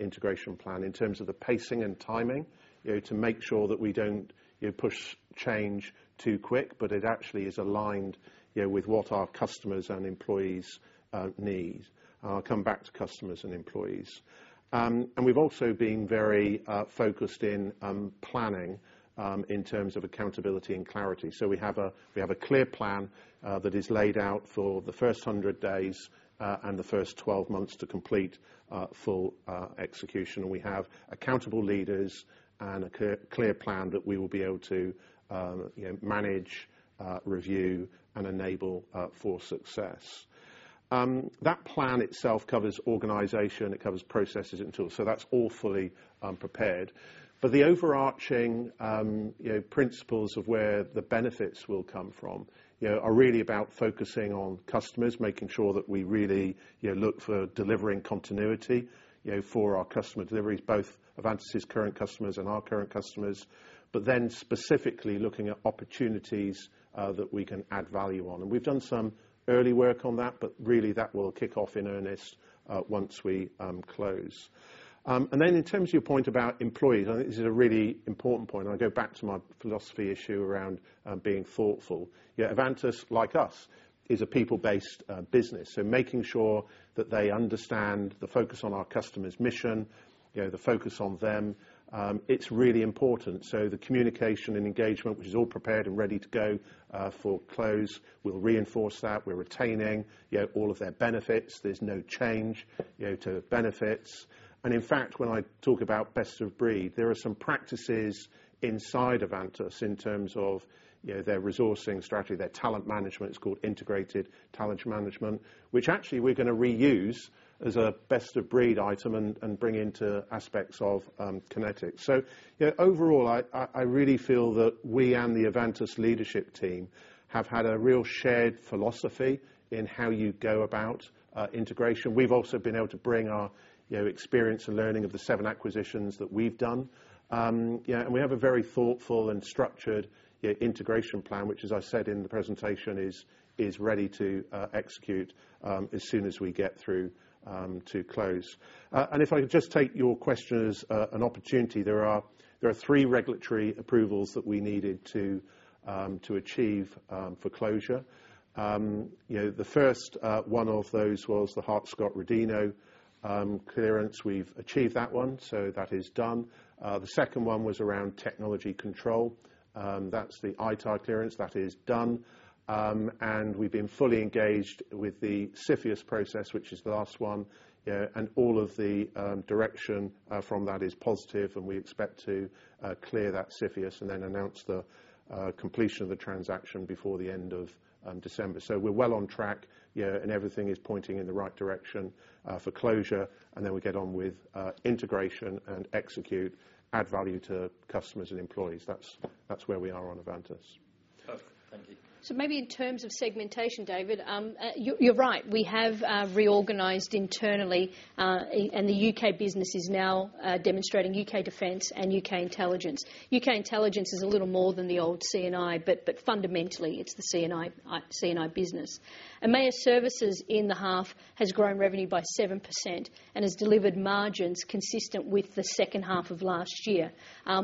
integration plan in terms of the pacing and timing, you know, to make sure that we don't, you know, push change too quick, but it actually is aligned, you know, with what our customers and employees need. I'll come back to customers and employees. We've also been very focused in planning in terms of accountability and clarity. We have a clear plan that is laid out for the first 100 days and the first 12 months to complete full execution. We have accountable leaders and a clear plan that we will be able to, you know, manage, review, and enable for success. That plan itself covers organization, it covers processes and tools, so that's all fully prepared. The overarching, you know, principles of where the benefits will come from, you know, are really about focusing on customers, making sure that we really, you know, look for delivering continuity, you know, for our customer deliveries, both Avantus' current customers and our current customers. Specifically looking at opportunities that we can add value on. We've done some early work on that, but really that will kick off in earnest once we close. In terms of your point about employees, and I think this is a really important point, and I go back to my philosophy issue around, being thoughtful. You know, Avantus, like us, is a people-based, business, so making sure that they understand the focus on our customers' mission, you know, the focus on them, it's really important. So the communication and engagement, which is all prepared and ready to go, for close, we'll reinforce that. We're retaining, you know, all of their benefits. There's no change, you know, to the benefits. And in fact, when I talk about best of breed, there are some practices inside Avantus in terms of, you know, their resourcing strategy, their talent management. It's called integrated talent management, which actually we're gonna reuse as a best of breed item and bring into aspects of, QinetiQ. You know, overall, I really feel that we and the Avantus leadership team have had a real shared philosophy in how you go about integration. We've also been able to bring our, you know, experience and learning of the seven acquisitions that we've done. You know, we have a very thoughtful and structured, you know, integration plan, which as I said in the presentation, is ready to execute as soon as we get through to close. If I could just take your question as an opportunity, there are three regulatory approvals that we needed to achieve for closure. You know, the first one of those was the Hart-Scott-Rodino clearance. We've achieved that one, so that is done. The second one was around technology control. That's the ITAR clearance. That is done. We've been fully engaged with the CFIUS process, which is the last one. You know, and all of the direction from that is positive, and we expect to clear that CFIUS and then announce the completion of the transaction before the end of December. We're well on track, you know, and everything is pointing in the right direction for closure. Then we get on with integration and execute, add value to customers and employees. That's where we are on Avantus. Perfect. Thank you. Maybe in terms of segmentation, David, you're right. We have reorganized internally, and the UK business is now demonstrating U.K. defense and U.K. intelligence. U.K. intelligence is a little more than the old CNI, but fundamentally, it's the CNI business. EMEA services in the half has grown revenue by 7% and has delivered margins consistent with the second half of last year.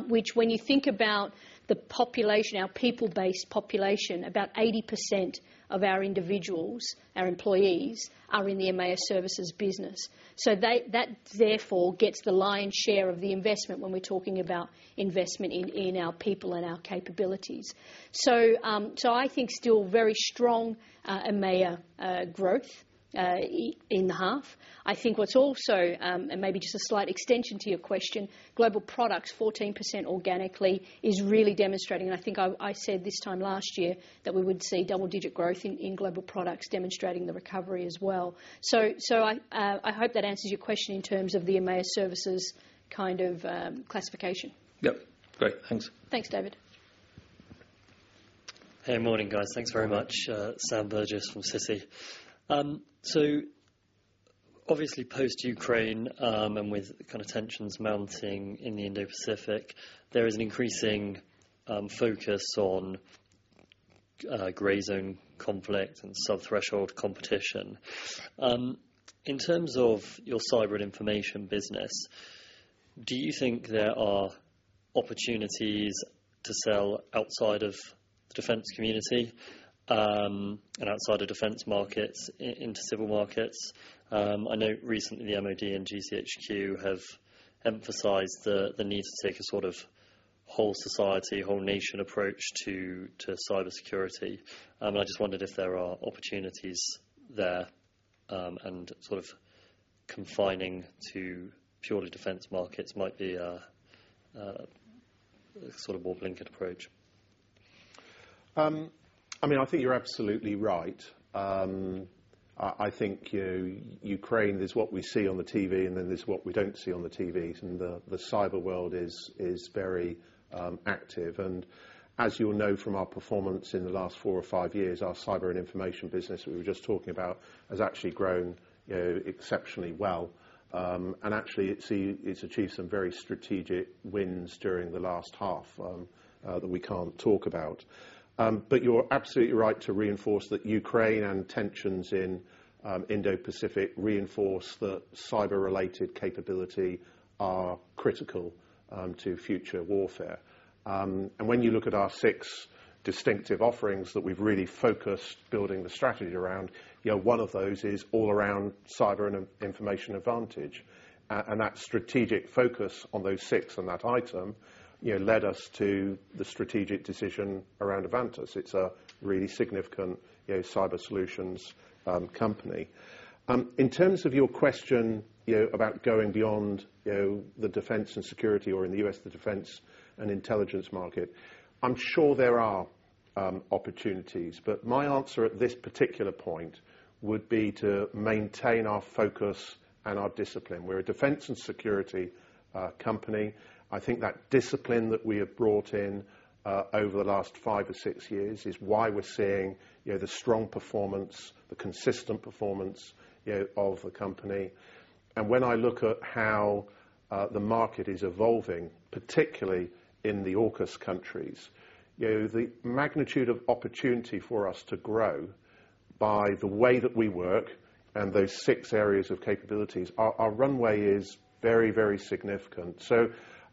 Which when you think about the population, our people-based population, about 80% of our individuals, our employees, are in the EMEA services business. They that therefore gets the lion's share of the investment when we're talking about investment in our people and our capabilities. I think still very strong EMEA growth in the half. I think what's also and maybe just a slight extension to your question, Global Products, 14% organically is really demonstrating. I think I said this time last year that we would see double-digit growth in Global Products demonstrating the recovery as well. I hope that answers your question in terms of the EMEA Services kind of classification. Yep. Great. Thanks. Thanks, David. Hey. Morning, guys. Thanks very much. Sam Burgess from Citi. Obviously post-Ukraine, and with kind of tensions mounting in the Indo-Pacific, there is an increasing focus on gray zone conflict and sub-threshold competition. In terms of your cyber information business, do you think there are opportunities to sell outside of the defense community, and outside of defense markets into civil markets? I know recently the MOD and GCHQ have emphasized the need to take a sort of whole society, whole nation approach to cybersecurity. I just wondered if there are opportunities there, and sort of confining to purely defense markets might be a sort of more blanket approach. I mean, I think you're absolutely right. I think, you know, Ukraine is what we see on the TV, and then there's what we don't see on the TVs, and the cyber world is very active. As you'll know from our performance in the last four or five years, our cyber and information business that we were just talking about has actually grown, you know, exceptionally well. Actually it's achieved some very strategic wins during the last half that we can't talk about. You're absolutely right to reinforce that Ukraine and tensions in Indo-Pacific reinforce that cyber-related capability are critical to future warfare. When you look at our six distinctive offerings that we've really focused building the strategy around, you know, one of those is all around cyber and information advantage. That strategic focus on those six and that item, you know, led us to the strategic decision around Avantus. It's a really significant, you know, cyber solutions company. In terms of your question, you know, about going beyond, you know, the defense and security or in the U.S., the defense and intelligence market, I'm sure there are opportunities, but my answer at this particular point would be to maintain our focus and our discipline. We're a defense and security company. I think that discipline that we have brought in over the last five or six years is why we're seeing, you know, the strong performance, the consistent performance, you know, of the company. When I look at how the market is evolving, particularly in the AUKUS countries, you know, the magnitude of opportunity for us to grow by the way that we work and those six areas of capabilities, our runway is very, very significant.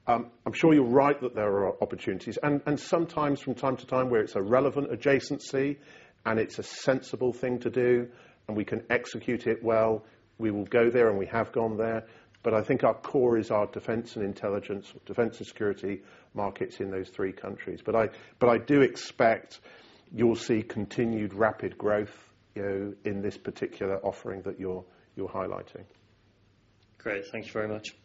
I'm sure you're right that there are opportunities, and sometimes from time to time where it's a relevant adjacency and it's a sensible thing to do, and we can execute it well, we will go there and we have gone there. I think our core is our defense and intelligence, defense and security markets in those three countries. I do expect you'll see continued rapid growth, you know, in this particular offering that you're highlighting. Great. Thank you very much.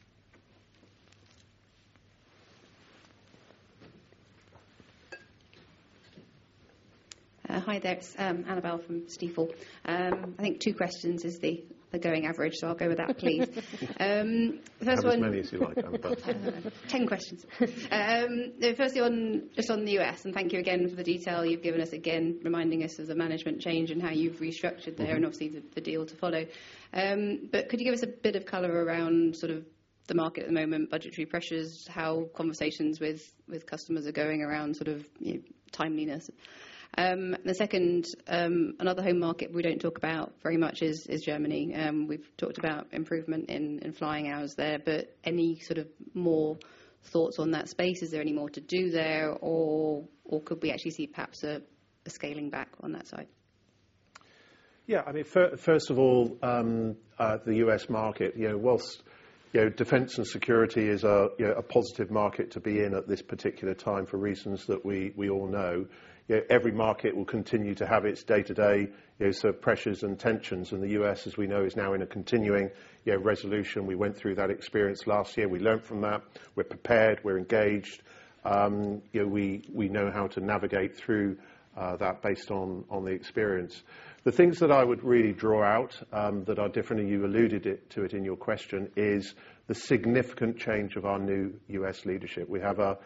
Hi there. Annabel from Stifel. I think two questions is the going average, so I'll go with that, please. First one. Have as many as you like, Annabel. 10 questions. First, on just the U.S., and thank you again for the detail you've given us, again, reminding us of the management change and how you've restructured there, and obviously the deal to follow. Could you give us a bit of color around sort of the market at the moment, budgetary pressures, how conversations with customers are going around, sort of, you know, timeliness? The second, another home market we don't talk about very much is Germany. We've talked about improvement in flying hours there, but any sort of more thoughts on that space? Is there any more to do there or could we actually see perhaps a scaling back on that side? Yeah, I mean, first of all, the U.S. market, you know, while, you know, defense and security is a, you know, a positive market to be in at this particular time for reasons that we all know, you know, every market will continue to have its day-to-day, you know, sort of pressures and tensions. The U.S., as we know, is now in a continuing resolution. We went through that experience last year. We learned from that. We're prepared, we're engaged. You know, we know how to navigate through that based on the experience. The things that I would really draw out that are different, and you alluded to it in your question, is the significant change of our new U.S. leadership. We have a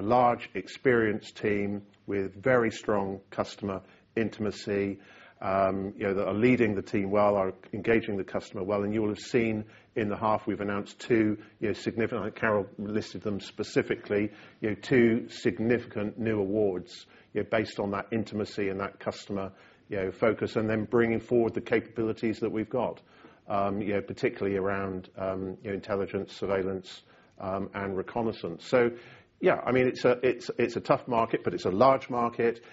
large, experienced team with very strong customer intimacy, you know, that are leading the team well, are engaging the customer well. You will have seen in the half we've announced, Carol listed them specifically, you know, two significant new awards, you know, based on that intimacy and that customer, you know, focus and then bringing forward the capabilities that we've got, you know, particularly around, you know, intelligence, surveillance, and reconnaissance. Yeah, I mean, it's a tough market, but it's a large market.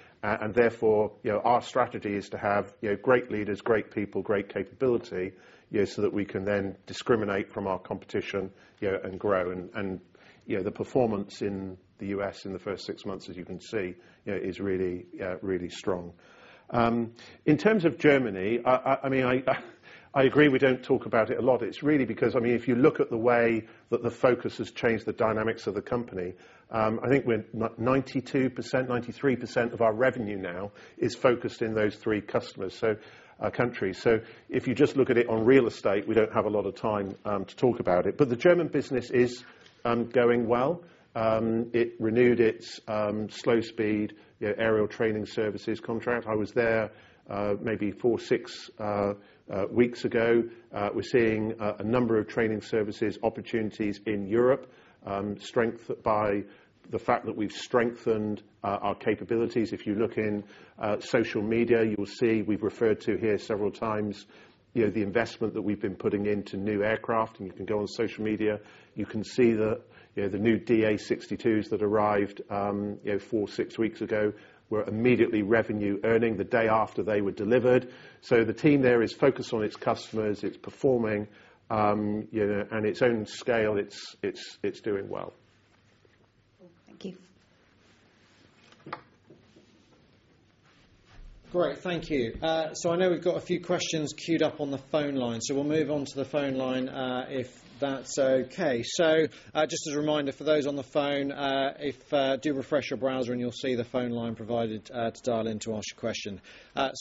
Therefore, you know, our strategy is to have, you know, great leaders, great people, great capability, you know, so that we can then discriminate from our competition, you know, and grow. You know, the performance in the U.S.. In the first six months, as you can see, you know, is really strong. In terms of Germany, I mean, I agree we don't talk about it a lot. It's really because, I mean, if you look at the way that the focus has changed the dynamics of the company, I think we're 92%-93% of our revenue now is focused in those three customers, so countries. If you just look at it on real estate, we don't have a lot of time to talk about it. The German business is going well. It renewed its slow speed, you know, aerial training services contract. I was there maybe four to six weeks ago. We're seeing a number of training services opportunities in Europe, strengthened by the fact that we've strengthened our capabilities. If you look in social media, you will see we've referred to here several times, you know, the investment that we've been putting into new aircraft. You can go on social media, you can see the, you know, the new DA62s that arrived, you know, four-six weeks ago were immediately revenue earning the day after they were delivered. The team there is focused on its customers, it's performing, you know, and its own scale. It's doing well. Thank you. Great. Thank you. I know we've got a few questions queued up on the phone line, so we'll move on to the phone line, if that's okay. Just as a reminder for those on the phone, do refresh your browser, and you'll see the phone line provided to dial in to ask your question.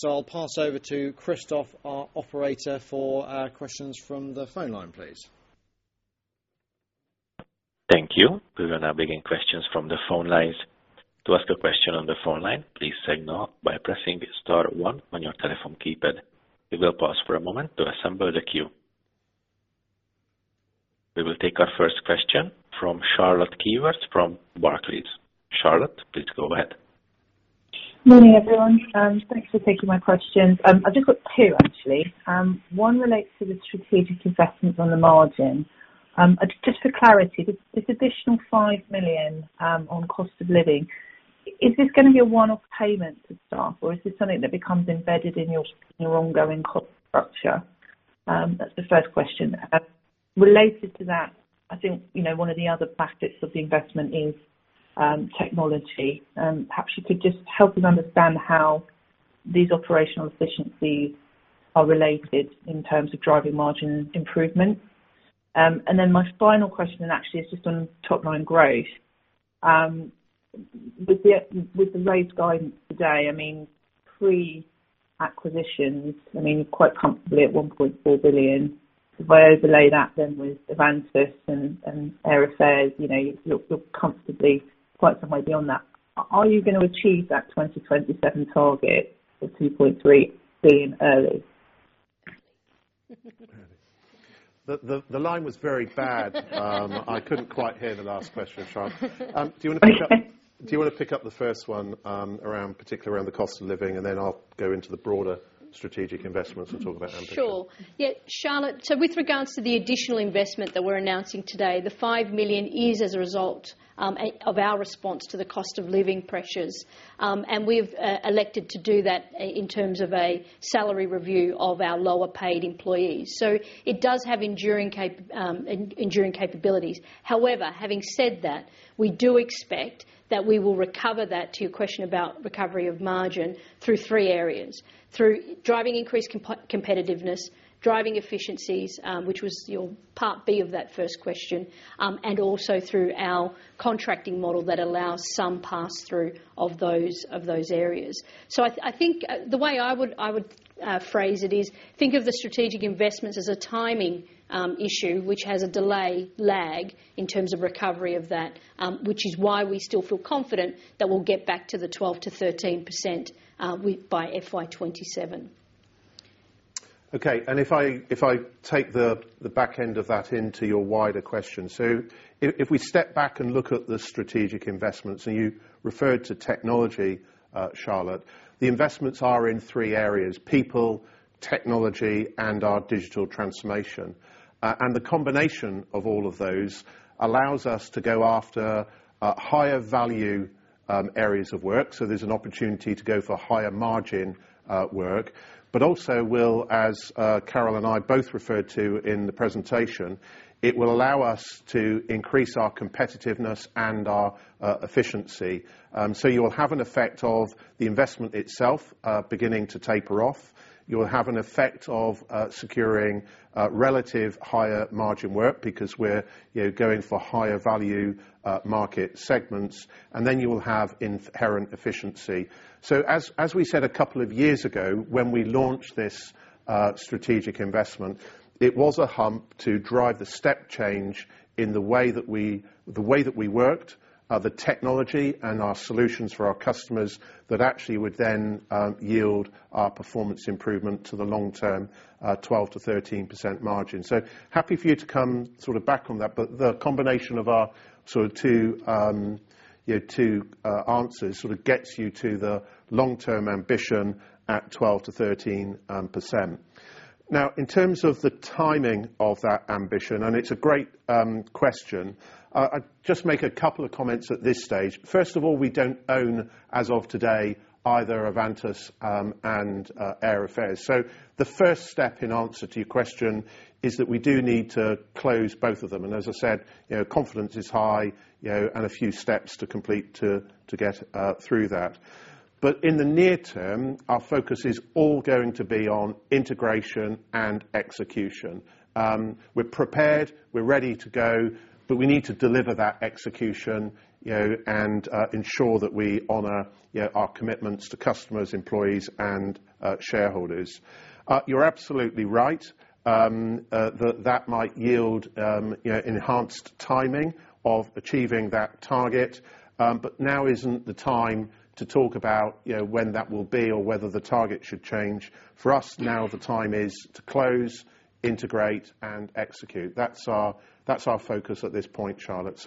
I'll pass over to Christophe, our operator, for questions from the phone line, please. Thank you. We will now begin questions from the phone lines. To ask a question on the phone line, please signal by pressing star one on your telephone keypad. We will pause for a moment to assemble the queue. We will take our first question from Charlotte Keyworth from Barclays. Charlotte, please go ahead. Morning, everyone. Thanks for taking my questions. I've just got two, actually. One relates to the strategic investments on the margin. Just for clarity, this additional 5 million on cost of living, is this gonna be a one-off payment to staff, or is this something that becomes embedded in your ongoing cost structure? That's the first question. Related to that, I think, you know, one of the other facets of the investment is technology. Perhaps you could just help us understand how these operational efficiencies are related in terms of driving margin improvement. Then my final question actually is just on top-line growth. With the raised guidance today, I mean, pre-acquisitions, I mean, quite comfortably at 1.4 billion. If I overlay that then with Avantus and Air Affairs, you know, you're comfortably quite some way beyond that. Are you gonna achieve that 2027 target of 2.3 billion early? The line was very bad. I couldn't quite hear the last question, Charlotte. Do you wanna pick up- Okay. Do you wanna pick up the first one, around, particularly around the cost of living? Then I'll go into the broader strategic investments and talk about ambition. Sure. Yeah, Charlotte, with regards to the additional investment that we're announcing today, the 5 million is as a result of our response to the cost of living pressures. We've elected to do that in terms of a salary review of our lower paid employees. It does have enduring capabilities. However, having said that, we do expect that we will recover that, to your question about recovery of margin, through three areas. Through driving increased competitiveness, driving efficiencies, which was your part B of that first question, and also through our contracting model that allows some pass-through of those areas. I think the way I would phrase it is, think of the strategic investments as a timing issue which has a delay, lag, in terms of recovery of that, which is why we still feel confident that we'll get back to the 12%-13% by FY 2027. If I take the back end of that into your wider question. If we step back and look at the strategic investments, and you referred to technology, Charlotte, the investments are in three areas, people, technology, and our digital transformation. The combination of all of those allows us to go after higher value areas of work. There's an opportunity to go for higher margin work. Also will, as Carol and I both referred to in the presentation, it will allow us to increase our competitiveness and our efficiency. You'll have an effect of the investment itself beginning to taper off. You'll have an effect of securing relative higher margin work because we're, you know, going for higher value market segments. Then you will have inherent efficiency. As we said a couple of years ago, when we launched this strategic investment, it was a hump to drive the step change in the way that we worked, the technology and our solutions for our customers that actually would then yield our performance improvement to the long term 12%-13% margin. Happy for you to come sorta back on that, but the combination of our sorta two, you know, answers sorta gets you to the long-term ambition at 12%-13%. Now, in terms of the timing of that ambition, and it's a great question, I'd just make a couple of comments at this stage. First of all, we don't own, as of today, either Avantus and Air Affairs. The first step in answer to your question is that we do need to close both of them. As I said, confidence is high, and a few steps to complete to get through that. In the near term, our focus is all going to be on integration and execution. We're prepared, we're ready to go, but we need to deliver that execution, and ensure that we honor our commitments to customers, employees and shareholders. You're absolutely right, that might yield enhanced timing of achieving that target, but now isn't the time to talk about when that will be or whether the target should change. For us, now the time is to close, integrate and execute. That's our focus at this point, Charlotte.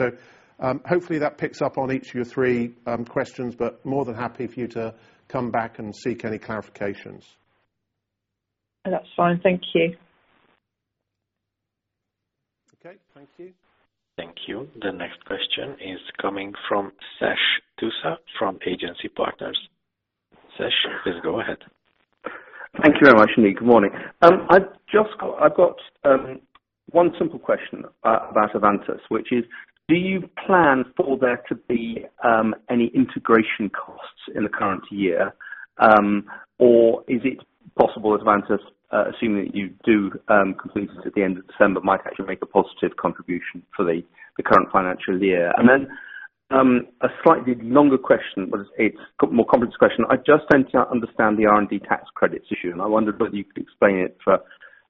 Hopefully that picks up on each of your three questions, but more than happy for you to come back and seek any clarifications. That's fine. Thank you. Okay. Thank you. Thank you. The next question is coming from Sash Tusa from Agency Partners. Sash, please go ahead. Thank you very much, indeed. Good morning. I've got one simple question about Avantus, which is do you plan for there to be any integration costs in the current year? Or is it possible that Avantus, assuming that you do complete it at the end of December, might actually make a positive contribution for the current financial year? Then, a slightly longer question, but it's a more complex question. I just don't understand the R&D tax credits issue, and I wondered whether you could explain it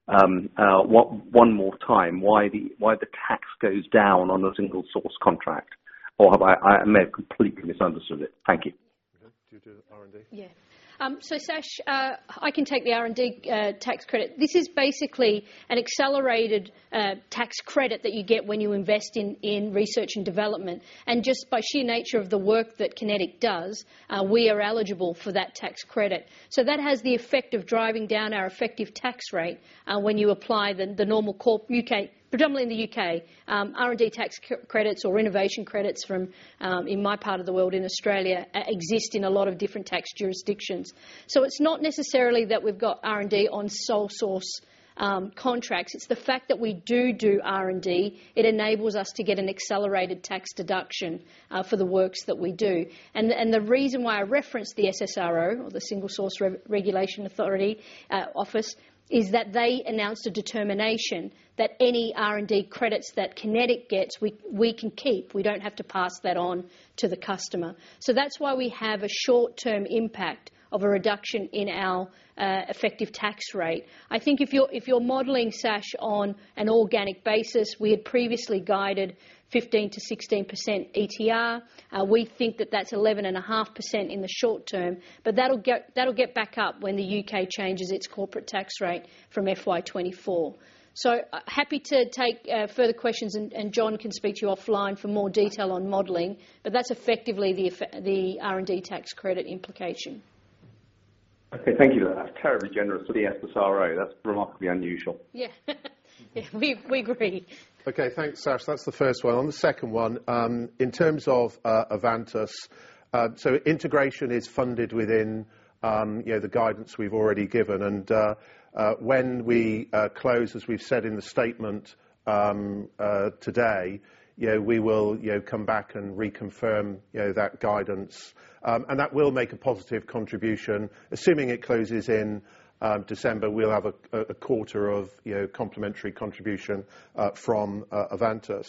one more time why the tax goes down on a single source contract or I may have completely misunderstood it. Thank you. Okay. Due to R&D. Yeah. Sash, I can take the R&D tax credit. This is basically an accelerated tax credit that you get when you invest in research and development. Just by sheer nature of the work that QinetiQ does, we are eligible for that tax credit. That has the effect of driving down our effective tax rate when you apply the normal U.K., predominantly in the U.K., R&D tax credits or innovation credits from in my part of the world in Australia exist in a lot of different tax jurisdictions. It's not necessarily that we've got R&D on sole source contracts. It's the fact that we do R&D, it enables us to get an accelerated tax deduction for the works that we do. The reason why I referenced the SSRO or the Single Source Regulations Office is that they announced a determination that any R&D credits that QinetiQ gets, we can keep. We don't have to pass that on to the customer. That's why we have a short-term impact of a reduction in our effective tax rate. I think if you're modeling, Sash, on an organic basis, we had previously guided 15%-16% ETR. We think that that's 11.5% in the short term, but that'll get back up when the U.K. changes its corporate tax rate from FY 2024. Happy to take further questions, and John can speak to you offline for more detail on modeling, but that's effectively the R&D tax credit implication. Okay, thank you. That's terribly generous for the SSRO. That's remarkably unusual. Yeah. We agree. Okay, thanks, Sash. That's the first one. On the second one, in terms of Avantus, integration is funded within you know the guidance we've already given. When we close, as we've said in the statement today, you know we will you know come back and reconfirm you know that guidance. That will make a positive contribution. Assuming it closes in December, we'll have a quarter of you know complementary contribution from Avantus.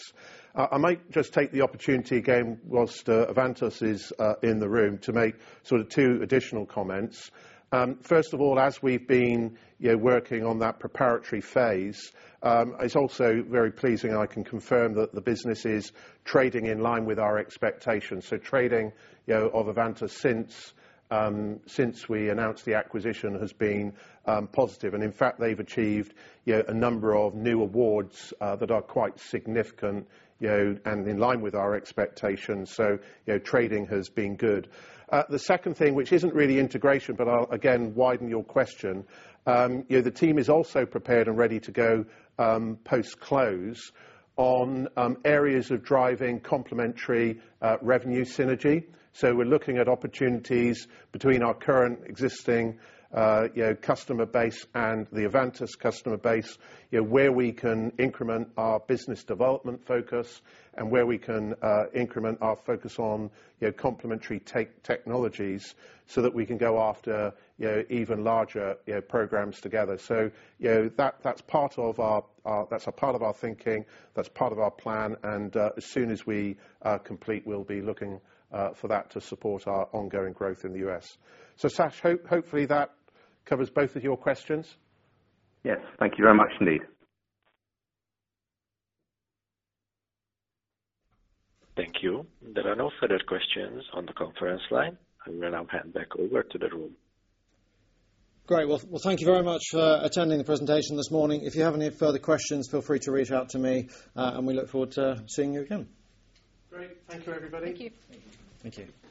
I might just take the opportunity again while Avantus is in the room to make sort of two additional comments. First of all, as we've been you know working on that preparatory phase, it's also very pleasing, and I can confirm that the business is trading in line with our expectations. Trading, you know, of Avantus since we announced the acquisition has been positive. In fact, they've achieved, you know, a number of new awards that are quite significant, you know, and in line with our expectations. Trading has been good. The second thing, which isn't really integration, but I'll again widen your question, you know, the team is also prepared and ready to go post-close on areas of driving complementary revenue synergy. We're looking at opportunities between our current existing, you know, customer base and the Avantus customer base, you know, where we can increment our business development focus and where we can increment our focus on, you know, complementary technologies so that we can go after, you know, even larger, you know, programs together. That's part of our. That's a part of our thinking. That's part of our plan, and as soon as we complete, we'll be looking for that to support our ongoing growth in the U.S.. Sash, hopefully that covers both of your questions. Yes. Thank you very much indeed. Thank you. There are no further questions on the conference line. I will now hand back over to the room. Great. Well, thank you very much for attending the presentation this morning. If you have any further questions, feel free to reach out to me, and we look forward to seeing you again. Great. Thank you, everybody. Thank you. Thank you.